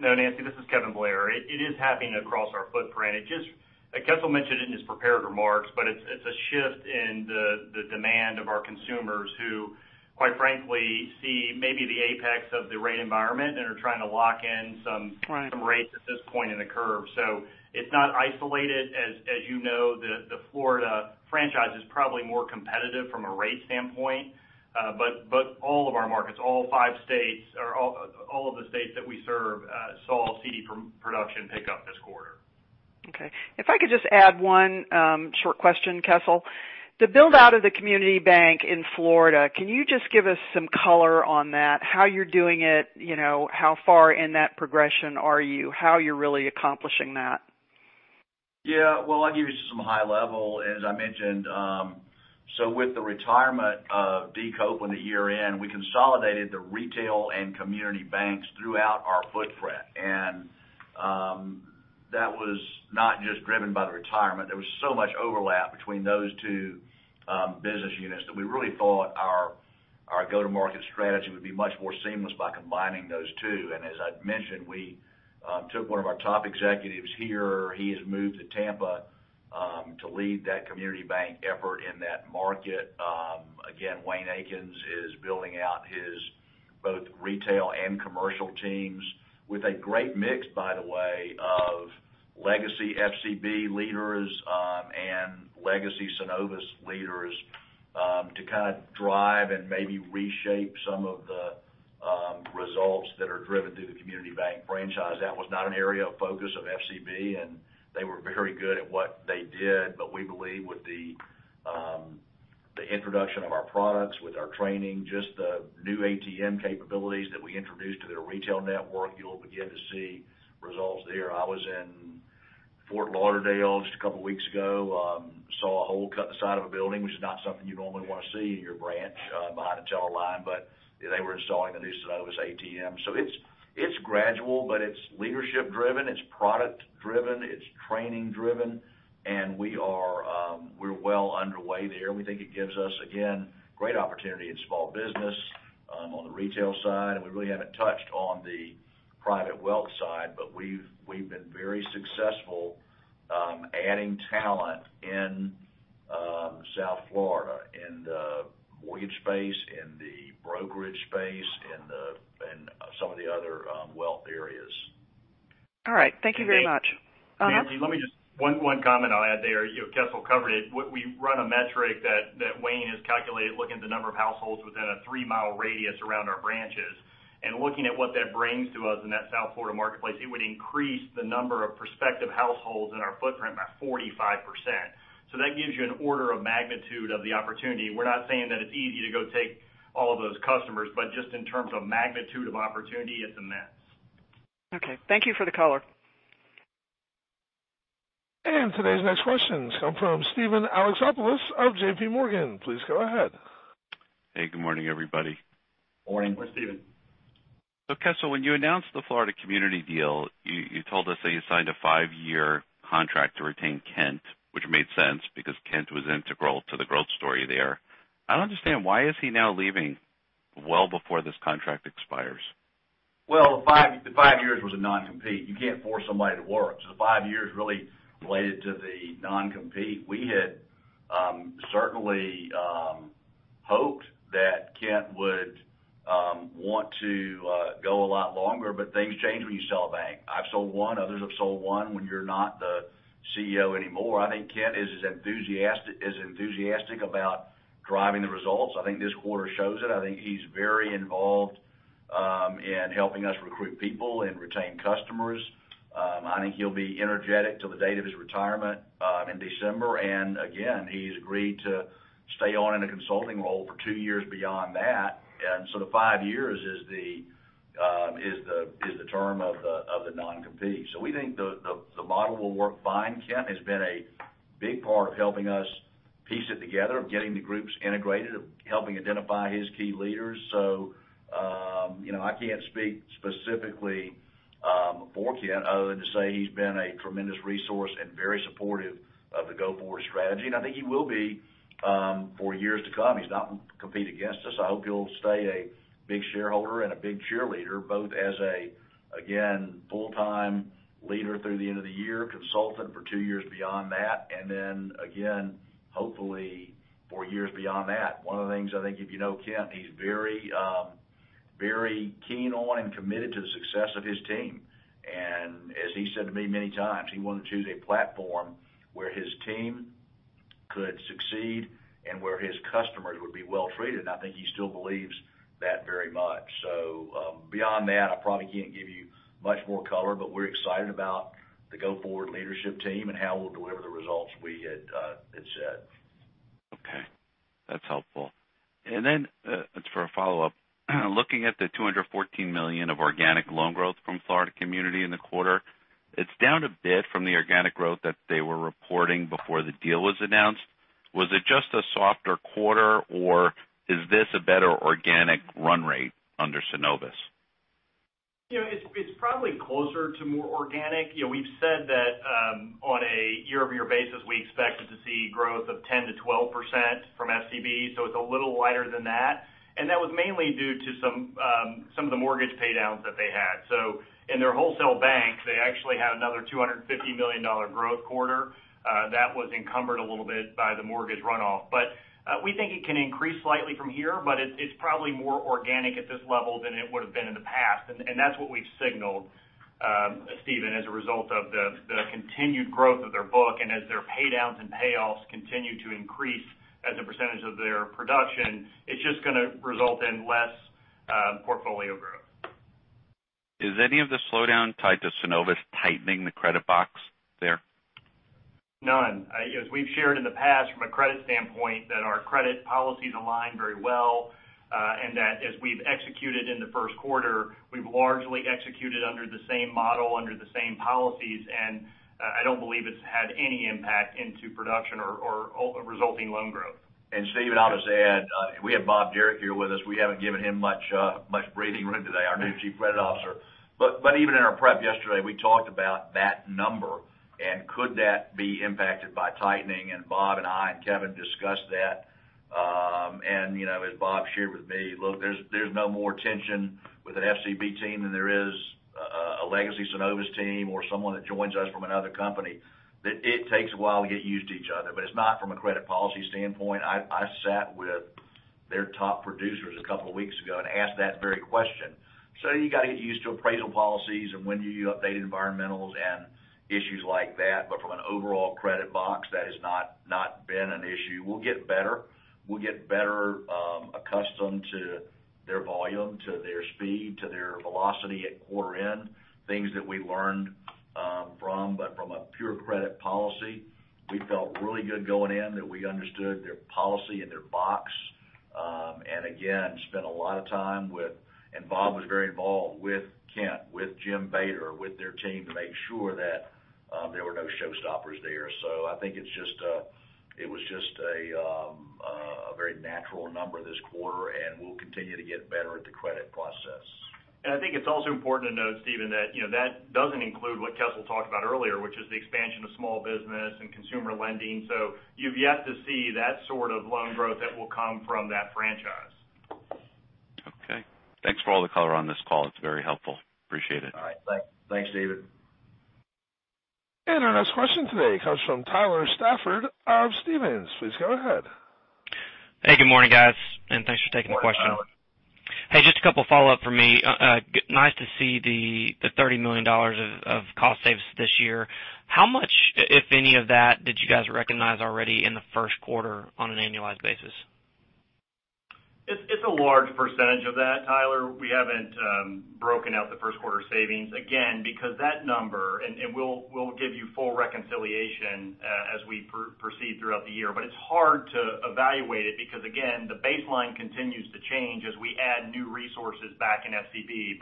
Speaker 5: Nancy, this is Kevin Blair. It is happening across our footprint. Kessel mentioned it in his prepared remarks, it's a shift in the demand of our consumers who, quite frankly, see maybe the apex of the rate environment and are trying to lock in some-
Speaker 10: Right
Speaker 5: rates at this point in the curve. It's not isolated. As you know, the Florida franchise is probably more competitive from a rate standpoint. All of our markets, all five states or all of the states that we serve, saw CD production pick up this quarter.
Speaker 10: Okay. If I could just add one short question, Kessel. The build-out of the community bank in Florida, can you just give us some color on that? How you're doing it, how far in that progression are you, how you're really accomplishing that?
Speaker 5: Well, I'll give you some high level. As I mentioned, with the retirement of D. Copeland at year-end, we consolidated the retail and community banks throughout our footprint. That was not just driven by the retirement. There was so much overlap between those two business units that we really thought our go-to-market strategy would be much more seamless by combining those two. As I'd mentioned, we took one of our top executives here. He has moved to Tampa to lead that community bank effort in that market. Again, Wayne Akins is building out his both retail and commercial teams with a great mix, by the way, of legacy FCB leaders and legacy Synovus leaders to kind of drive and maybe reshape some of the results that are driven through the community bank franchise.
Speaker 3: That was not an area of focus of FCB, they were very good at what they did. We believe with the introduction of our products, with our training, just the new ATM capabilities that we introduced to their retail network, you'll begin to see results there. I was in Fort Lauderdale just a couple of weeks ago. Saw a hole cut in the side of a building, which is not something you normally want to see in your branch behind a teller line, but They were installing the new Synovus ATM. It's gradual, but it's leadership-driven, it's product-driven, it's training-driven, and we're well underway there. We think it gives us, again, great opportunity in small business, on the retail side, and we really haven't touched on the private wealth side, but we've been very successful adding talent in South Florida, in the mortgage space, in the brokerage space, in some of the other wealth areas.
Speaker 10: All right. Thank you very much.
Speaker 5: Nancy, let me just-- One comment I'll add there, Kessel covered it. We run a metric that Wayne has calculated, looking at the number of households within a three-mile radius around our branches. Looking at what that brings to us in that South Florida marketplace, it would increase the number of prospective households in our footprint by 45%. That gives you an order of magnitude of the opportunity. We're not saying that it's easy to go take all of those customers, but just in terms of magnitude of opportunity, it's immense.
Speaker 10: Okay. Thank you for the color.
Speaker 1: Today's next questions come from Steven Alexopoulos of J.P. Morgan. Please go ahead.
Speaker 11: Hey, good morning, everybody.
Speaker 3: Morning.
Speaker 5: Morning, Steven.
Speaker 11: Kessel, when you announced the Florida Community deal, you told us that you signed a five-year contract to retain Kent, which made sense because Kent was integral to the growth story there. I don't understand, why is he now leaving well before this contract expires?
Speaker 3: Well, the 5 years was a non-compete. You can't force somebody to work, so the 5 years really related to the non-compete. We had certainly hoped that Kent would want to go a lot longer, but things change when you sell a bank. I've sold one. Others have sold one. When you're not the CEO anymore, I think Kent is as enthusiastic about driving the results. I think this quarter shows it. I think he's very involved, in helping us recruit people and retain customers. I think he'll be energetic till the date of his retirement in December. Again, he's agreed to stay on in a consulting role for 2 years beyond that. The 5 years is the term of the non-compete. We think the model will work fine. Kent has been a big part of helping us piece it together, of getting the groups integrated, of helping identify his key leaders. I can't speak specifically for Kent other than to say he's been a tremendous resource and very supportive of the go-forward strategy, and I think he will be for years to come. He's not going to compete against us. I hope he'll stay a big shareholder and a big cheerleader, both as a, again, full-time leader through the end of the year, consultant for 2 years beyond that, and then again, hopefully, for years beyond that. One of the things, I think if you know Kent, he's very keen on and committed to the success of his team. As he said to me many times, he wanted to choose a platform where his team could succeed and where his customers would be well-treated. I think he still believes that very much. Beyond that, I probably can't give you much more color, but we're excited about the go-forward leadership team and how we'll deliver the results we had said.
Speaker 11: Okay, that's helpful. Then, it's for a follow-up. Looking at the $214 million of organic loan growth from Florida Community in the quarter, it's down a bit from the organic growth that they were reporting before the deal was announced. Was it just a softer quarter, or is this a better organic run rate under Synovus?
Speaker 5: It's probably closer to more organic. We've said that on a year-over-year basis, we expected to see growth of 10%-12% from FCB, it's a little lighter than that. That was mainly due to some of the mortgage paydowns that they had. In their wholesale bank, they actually had another $250 million growth quarter. That was encumbered a little bit by the mortgage runoff. We think it can increase slightly from here, but it's probably more organic at this level than it would have been in the past. That's what we've signaled, Steven, as a result of the continued growth of their book and as their paydowns and payoffs continue to increase as a percentage of their production, it's just going to result in less portfolio growth.
Speaker 11: Is any of the slowdown tied to Synovus tightening the credit box there?
Speaker 5: None. As we've shared in the past from a credit standpoint, that our credit policies align very well, as we've executed in the first quarter, we've largely executed under the same model, under the same policies, I don't believe it's had any impact into production or resulting loan growth.
Speaker 3: Steven, I would just add, we have Bob Derrick here with us. We haven't given him much breathing room today, our new Chief Credit Officer. Even in our prep yesterday, we talked about that number and could that be impacted by tightening? Bob and I and Kevin discussed that. As Bob shared with me, look, there's no more tension with an FCB team than there is a legacy Synovus team or someone that joins us from another company, that it takes a while to get used to each other. It's not from a credit policy standpoint. I sat with their top producers a couple of weeks ago and asked that very question. You got to get used to appraisal policies and when do you update environmentals and issues like that. From an overall credit box, that has not been an issue. We'll get better accustomed to their volume, to their speed, to their velocity at quarter end, things that we learned from. From a pure credit policy, we felt really good going in that we understood their policy and their box. Again, spent a lot of time with Bob was very involved with Kent, with Jim Bader, with their team to make sure that there were no showstoppers there. I think it was just a very natural number this quarter, and we'll continue to get better at the credit process.
Speaker 5: I think it's also important to note, Steven, that doesn't include what Kessel talked about earlier, which is the expansion of small business and consumer lending. You've yet to see that sort of loan growth that will come from that franchise.
Speaker 11: Okay. Thanks for all the color on this call. It's very helpful. Appreciate it.
Speaker 3: All right. Thanks, Steven.
Speaker 1: Our next question today comes from Tyler Stafford of Stephens. Please go ahead.
Speaker 12: Hey, good morning, guys, and thanks for taking the question.
Speaker 3: Morning, Tyler.
Speaker 12: Hey, just a couple follow-up from me. Nice to see the $30 million of cost saves this year. How much, if any of that, did you guys recognize already in the first quarter on an annualized basis?
Speaker 5: It's a large percentage of that, Tyler. We haven't broken out the first quarter savings. Again, because that number, and we'll give you full reconciliation as we proceed throughout the year, but it's hard to evaluate it because, again, the baseline continues to change as we add new resources back in FCB.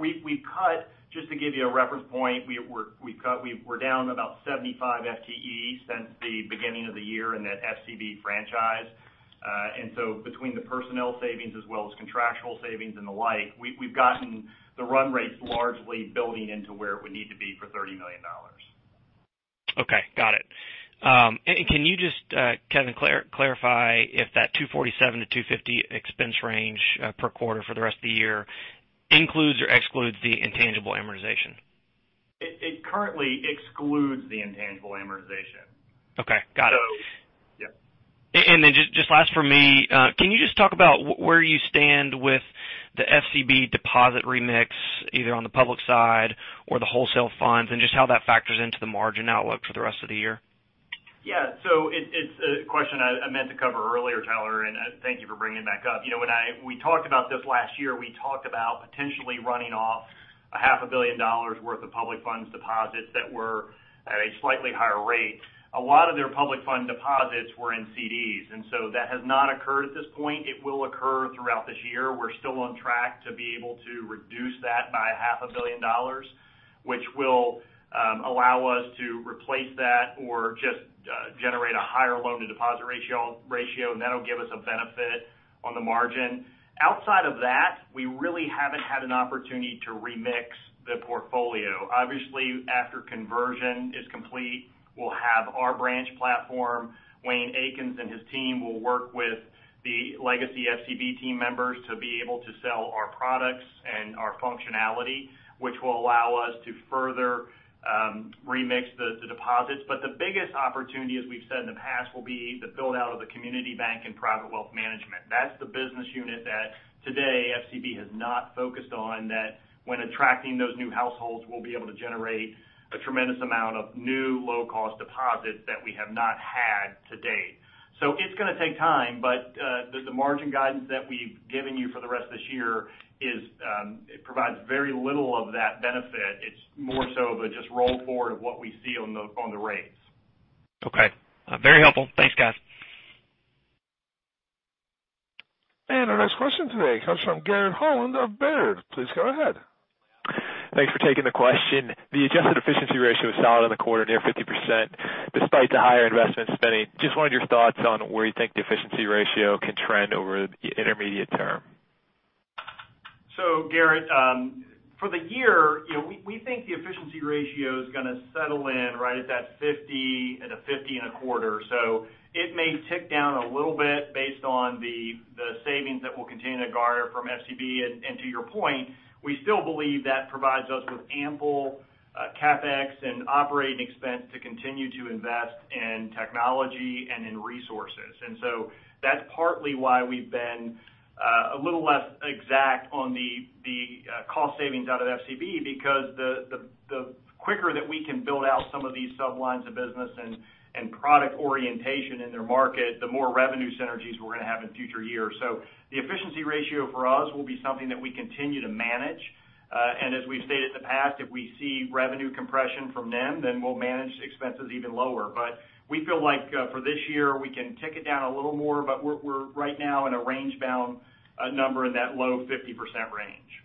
Speaker 5: We cut, just to give you a reference point, we're down about 75 FTEs since the beginning of the year in that FCB franchise. Between the personnel savings as well as contractual savings and the like, we've gotten the run rates largely building into where it would need to be for $30 million.
Speaker 12: Okay, got it. Can you just, Kevin, clarify if that 247 to 250 expense range per quarter for the rest of the year includes or excludes the intangible amortization?
Speaker 5: It currently excludes the intangible amortization.
Speaker 12: Okay, got it.
Speaker 5: Yep.
Speaker 12: Just last from me, can you just talk about where you stand with the FCB deposit remix, either on the public side or the wholesale funds, and just how that factors into the margin outlook for the rest of the year?
Speaker 5: Yeah. It's a question I meant to cover earlier, Tyler, and thank you for bringing it back up. When we talked about this last year, we talked about potentially running off a half a billion dollars worth of public funds deposits that were at a slightly higher rate. A lot of their public fund deposits were in CDs, that has not occurred at this point. It will occur throughout this year. We're still on track to be able to reduce that by a half a billion dollars, which will allow us to replace that or just generate a higher loan-to-deposit ratio, and that'll give us a benefit on the margin. Outside of that, we really haven't had an opportunity to remix the portfolio. Obviously, after conversion is complete, we'll have our branch platform. Wayne Akins and his team will work with the legacy FCB team members to be able to sell our products and our functionality, which will allow us to further remix the deposits. The biggest opportunity, as we've said in the past, will be the build-out of the community bank and private wealth management. That's the business unit that today FCB has not focused on, that when attracting those new households, we'll be able to generate a tremendous amount of new low-cost deposits that we have not had to date. It's going to take time, the margin guidance that we've given you for the rest of this year provides very little of that benefit. It's more so of a just roll forward of what we see on the rates.
Speaker 12: Okay. Very helpful. Thanks, guys.
Speaker 1: Our next question today comes from Garrett Holland of Baird. Please go ahead.
Speaker 13: Thanks for taking the question. The adjusted efficiency ratio is solid on the quarter, near 50%, despite the higher investment spending. Just wanted your thoughts on where you think the efficiency ratio can trend over the intermediate term.
Speaker 5: Garrett, for the year, we think the efficiency ratio is going to settle in right at that 50.25. It may tick down a little bit based on the savings that we'll continue to garner from FCB. To your point, we still believe that provides us with ample CapEx and operating expense to continue to invest in technology and in resources. That's partly why we've been a little less exact on the cost savings out of FCB because the quicker that we can build out some of these sublines of business and product orientation in their market, the more revenue synergies we're going to have in future years. The efficiency ratio for us will be something that we continue to manage. As we've stated in the past, if we see revenue compression from them, then we'll manage the expenses even lower. We feel like for this year, we can tick it down a little more, but we're right now in a range-bound number in that low 50% range.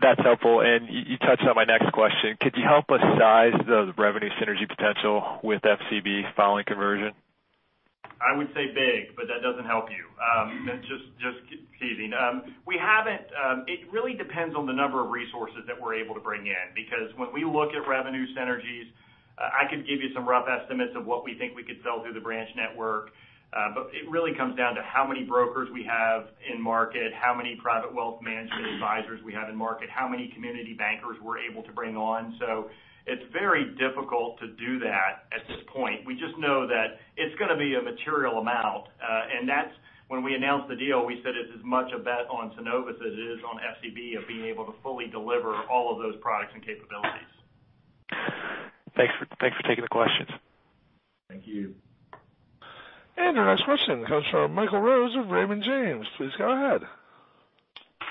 Speaker 13: That's helpful. You touched on my next question. Could you help us size the revenue synergy potential with FCB following conversion?
Speaker 5: I would say big, but that doesn't help you. Just teasing. It really depends on the number of resources that we're able to bring in because when we look at revenue synergies, I could give you some rough estimates of what we think we could sell through the branch network. It really comes down to how many brokers we have in market, how many private wealth management advisors we have in market, how many community bankers we're able to bring on. It's very difficult to do that at this point. We just know that it's going to be a material amount. That's when we announced the deal, we said it's as much a bet on Synovus as it is on FCB of being able to fully deliver all of those products and capabilities.
Speaker 13: Thanks for taking the questions.
Speaker 5: Thank you.
Speaker 1: Our next question comes from Michael Rose of Raymond James. Please go ahead.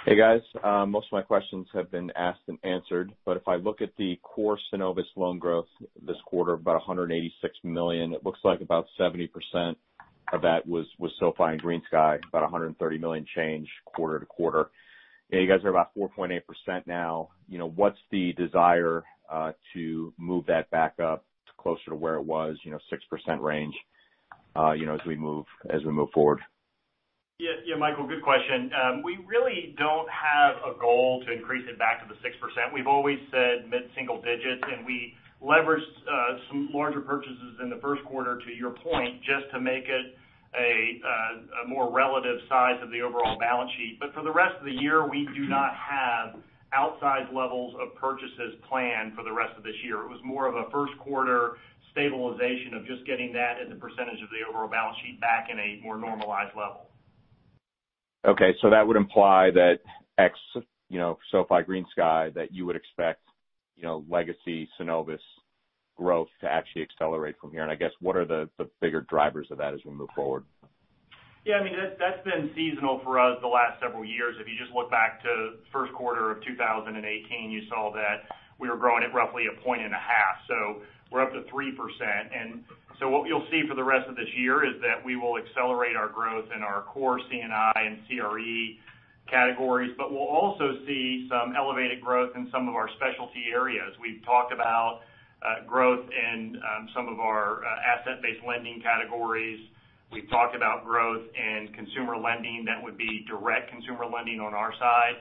Speaker 14: Hey, guys. Most of my questions have been asked and answered, but if I look at the core Synovus loan growth this quarter, about $186 million, it looks like about 70% of that was SoFi and GreenSky, about $130 million change quarter-to-quarter. Yeah, you guys are about 4.8% now. What's the desire to move that back up closer to where it was, 6% range as we move forward?
Speaker 5: Yeah, Michael, good question. We really don't have a goal to increase it back to the 6%. We've always said mid-single digits, and we leveraged some larger purchases in the first quarter, to your point, just to make it a more relative size of the overall balance sheet. For the rest of the year, we do not have outsized levels of purchases planned for the rest of this year. It was more of a first quarter stabilization of just getting that as a percentage of the overall balance sheet back in a more normalized level.
Speaker 14: Okay. That would imply that ex SoFi GreenSky, that you would expect legacy Synovus growth to actually accelerate from here. I guess what are the bigger drivers of that as we move forward?
Speaker 5: That's been seasonal for us the last several years. If you just look back to first quarter of 2018, you saw that we were growing at roughly a point and a half. We're up to 3%. What you'll see for the rest of this year is that we will accelerate our growth in our core C&I and CRE categories, but we'll also see some elevated growth in some of our specialty areas. We've talked about growth in some of our asset-based lending categories. We've talked about growth in consumer lending that would be direct consumer lending on our side.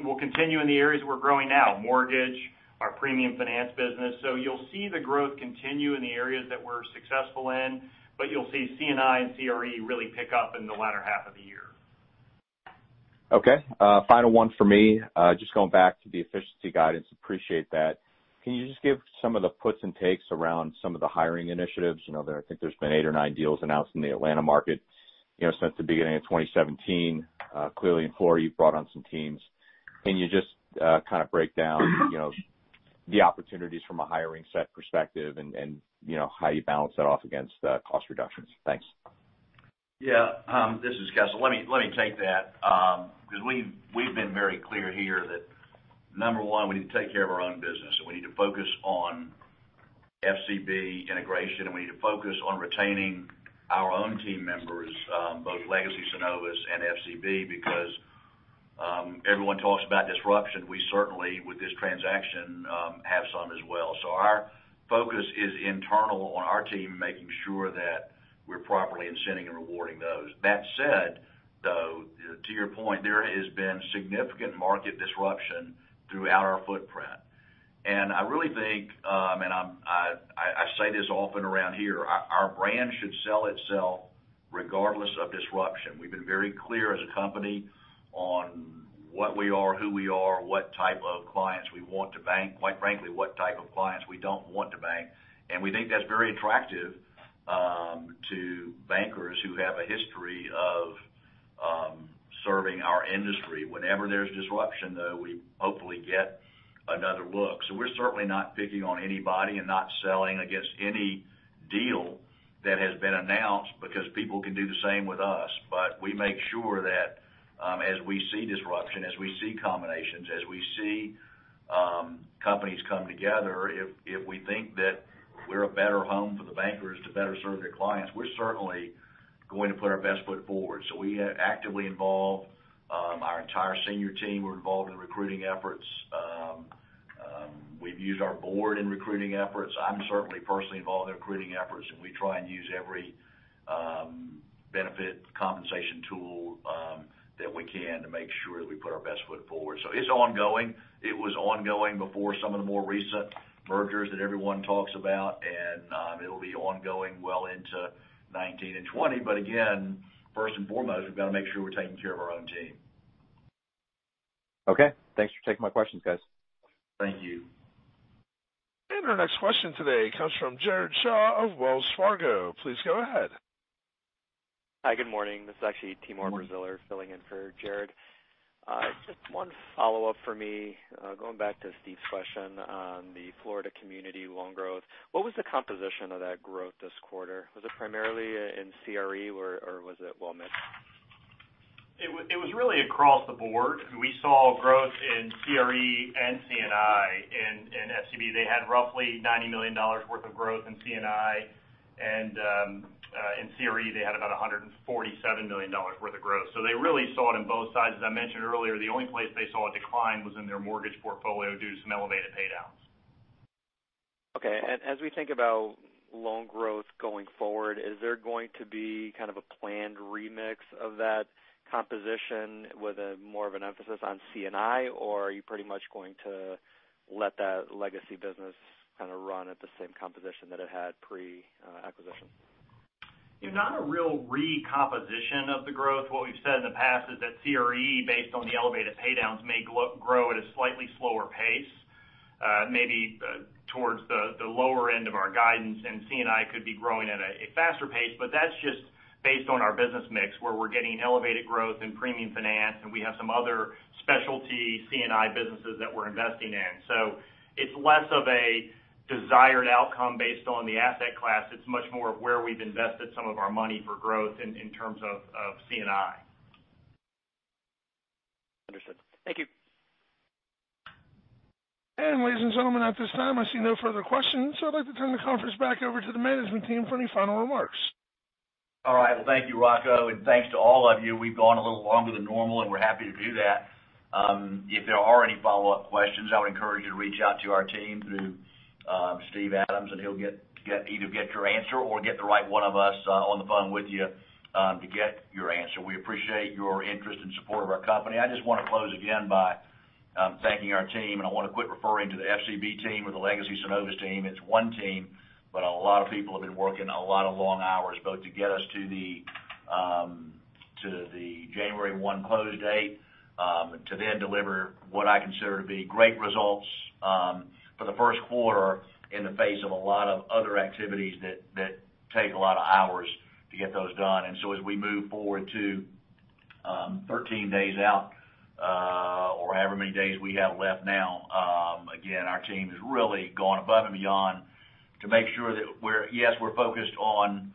Speaker 5: We'll continue in the areas we're growing now, mortgage, our premium finance business. You'll see the growth continue in the areas that we're successful in, but you'll see C&I and CRE really pick up in the latter half of the year.
Speaker 14: Okay. Final one for me. Just going back to the efficiency guidance. Appreciate that. Can you just give some of the puts and takes around some of the hiring initiatives? I think there's been eight or nine deals announced in the Atlanta market since the beginning of 2017. Clearly in Florida, you've brought on some teams. Can you just kind of break down the opportunities from a hiring set perspective and how you balance that off against cost reductions? Thanks.
Speaker 3: This is Kessel. Let me take that because we've been very clear here that number 1, we need to take care of our own business, and we need to focus on FCB integration, and we need to focus on retaining our own team members, both legacy Synovus and FCB because everyone talks about disruption. We certainly with this transaction have some as well. Our focus is internal on our team, making sure that we're properly incenting and rewarding those. That said, though, to your point, there has been significant market disruption throughout our footprint. I really think, I say this often around here, our brand should sell itself regardless of disruption. We've been very clear as a company on what we are, who we are, what type of clients we want to bank, quite frankly, what type of clients we don't want to bank. We think that's very attractive to bankers who have a history of serving our industry. Whenever there's disruption, though, we hopefully get another look. We're certainly not picking on anybody and not selling against any deal that has been announced because people can do the same with us. We make sure that as we see disruption, as we see combinations, as we see companies come together, if we think that we're a better home for the bankers to better serve their clients, we're certainly going to put our best foot forward. We actively involve our entire senior team. We're involved in recruiting efforts. We've used our board in recruiting efforts. I'm certainly personally involved in recruiting efforts, and we try and use every benefit compensation tool that we can to make sure that we put our best foot forward. It's ongoing. It was ongoing before some of the more recent mergers that everyone talks about, and it'll be ongoing well into 2019 and 2020. Again, first and foremost, we've got to make sure we're taking care of our own team.
Speaker 14: Okay. Thanks for taking my questions, guys.
Speaker 3: Thank you.
Speaker 1: Our next question today comes from Jared Shaw of Wells Fargo. Please go ahead.
Speaker 15: Hi, good morning. This is actually Timur Braziler filling in for Jared. Just one follow-up for me, going back to Steve's question on the Florida Community loan growth. What was the composition of that growth this quarter? Was it primarily in CRE, or was it well mixed?
Speaker 5: It was really across the board. We saw growth in CRE and C&I in FCB. They had roughly $90 million worth of growth in C&I. In CRE, they had about $147 million worth of growth. They really saw it in both sides. As I mentioned earlier, the only place they saw a decline was in their mortgage portfolio due to some elevated paydowns.
Speaker 15: Okay. As we think about loan growth going forward, is there going to be kind of a planned remix of that composition with more of an emphasis on C&I, or are you pretty much going to let that legacy business kind of run at the same composition that it had pre-acquisition?
Speaker 5: Not a real recomposition of the growth. What we've said in the past is that CRE, based on the elevated pay downs, may grow at a slightly slower pace, maybe towards the lower end of our guidance, and C&I could be growing at a faster pace. That's just based on our business mix, where we're getting elevated growth in premium finance, and we have some other specialty C&I businesses that we're investing in. It's less of a desired outcome based on the asset class. It's much more of where we've invested some of our money for growth in terms of C&I.
Speaker 15: Understood. Thank you.
Speaker 1: Ladies and gentlemen, at this time, I see no further questions, so I'd like to turn the conference back over to the management team for any final remarks.
Speaker 3: All right. Well, thank you, Rocco, and thanks to all of you. We've gone a little longer than normal, and we're happy to do that. If there are any follow-up questions, I would encourage you to reach out to our team through Steve Adams, and he'll either get your answer or get the right one of us on the phone with you to get your answer. We appreciate your interest and support of our company. I just want to close again by thanking our team, and I want to quit referring to the FCB team or the legacy Synovus team. It's one team, but a lot of people have been working a lot of long hours, both to get us to the January one close date, to then deliver what I consider to be great results for the first quarter in the face of a lot of other activities that take a lot of hours to get those done. As we move forward to 13 days out, or however many days we have left now, again, our team has really gone above and beyond to make sure that yes, we're focused on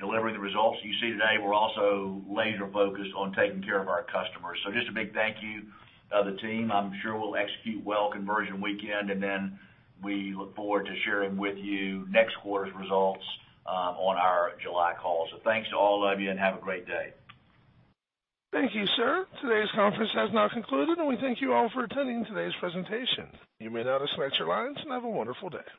Speaker 3: delivering the results you see today. We're also laser focused on taking care of our customers. Just a big thank you to the team. I'm sure we'll execute well conversion weekend, and then we look forward to sharing with you next quarter's results on our July call. Thanks to all of you, and have a great day.
Speaker 1: Thank you, sir. Today's conference has now concluded, and we thank you all for attending today's presentation. You may now disconnect your lines and have a wonderful day.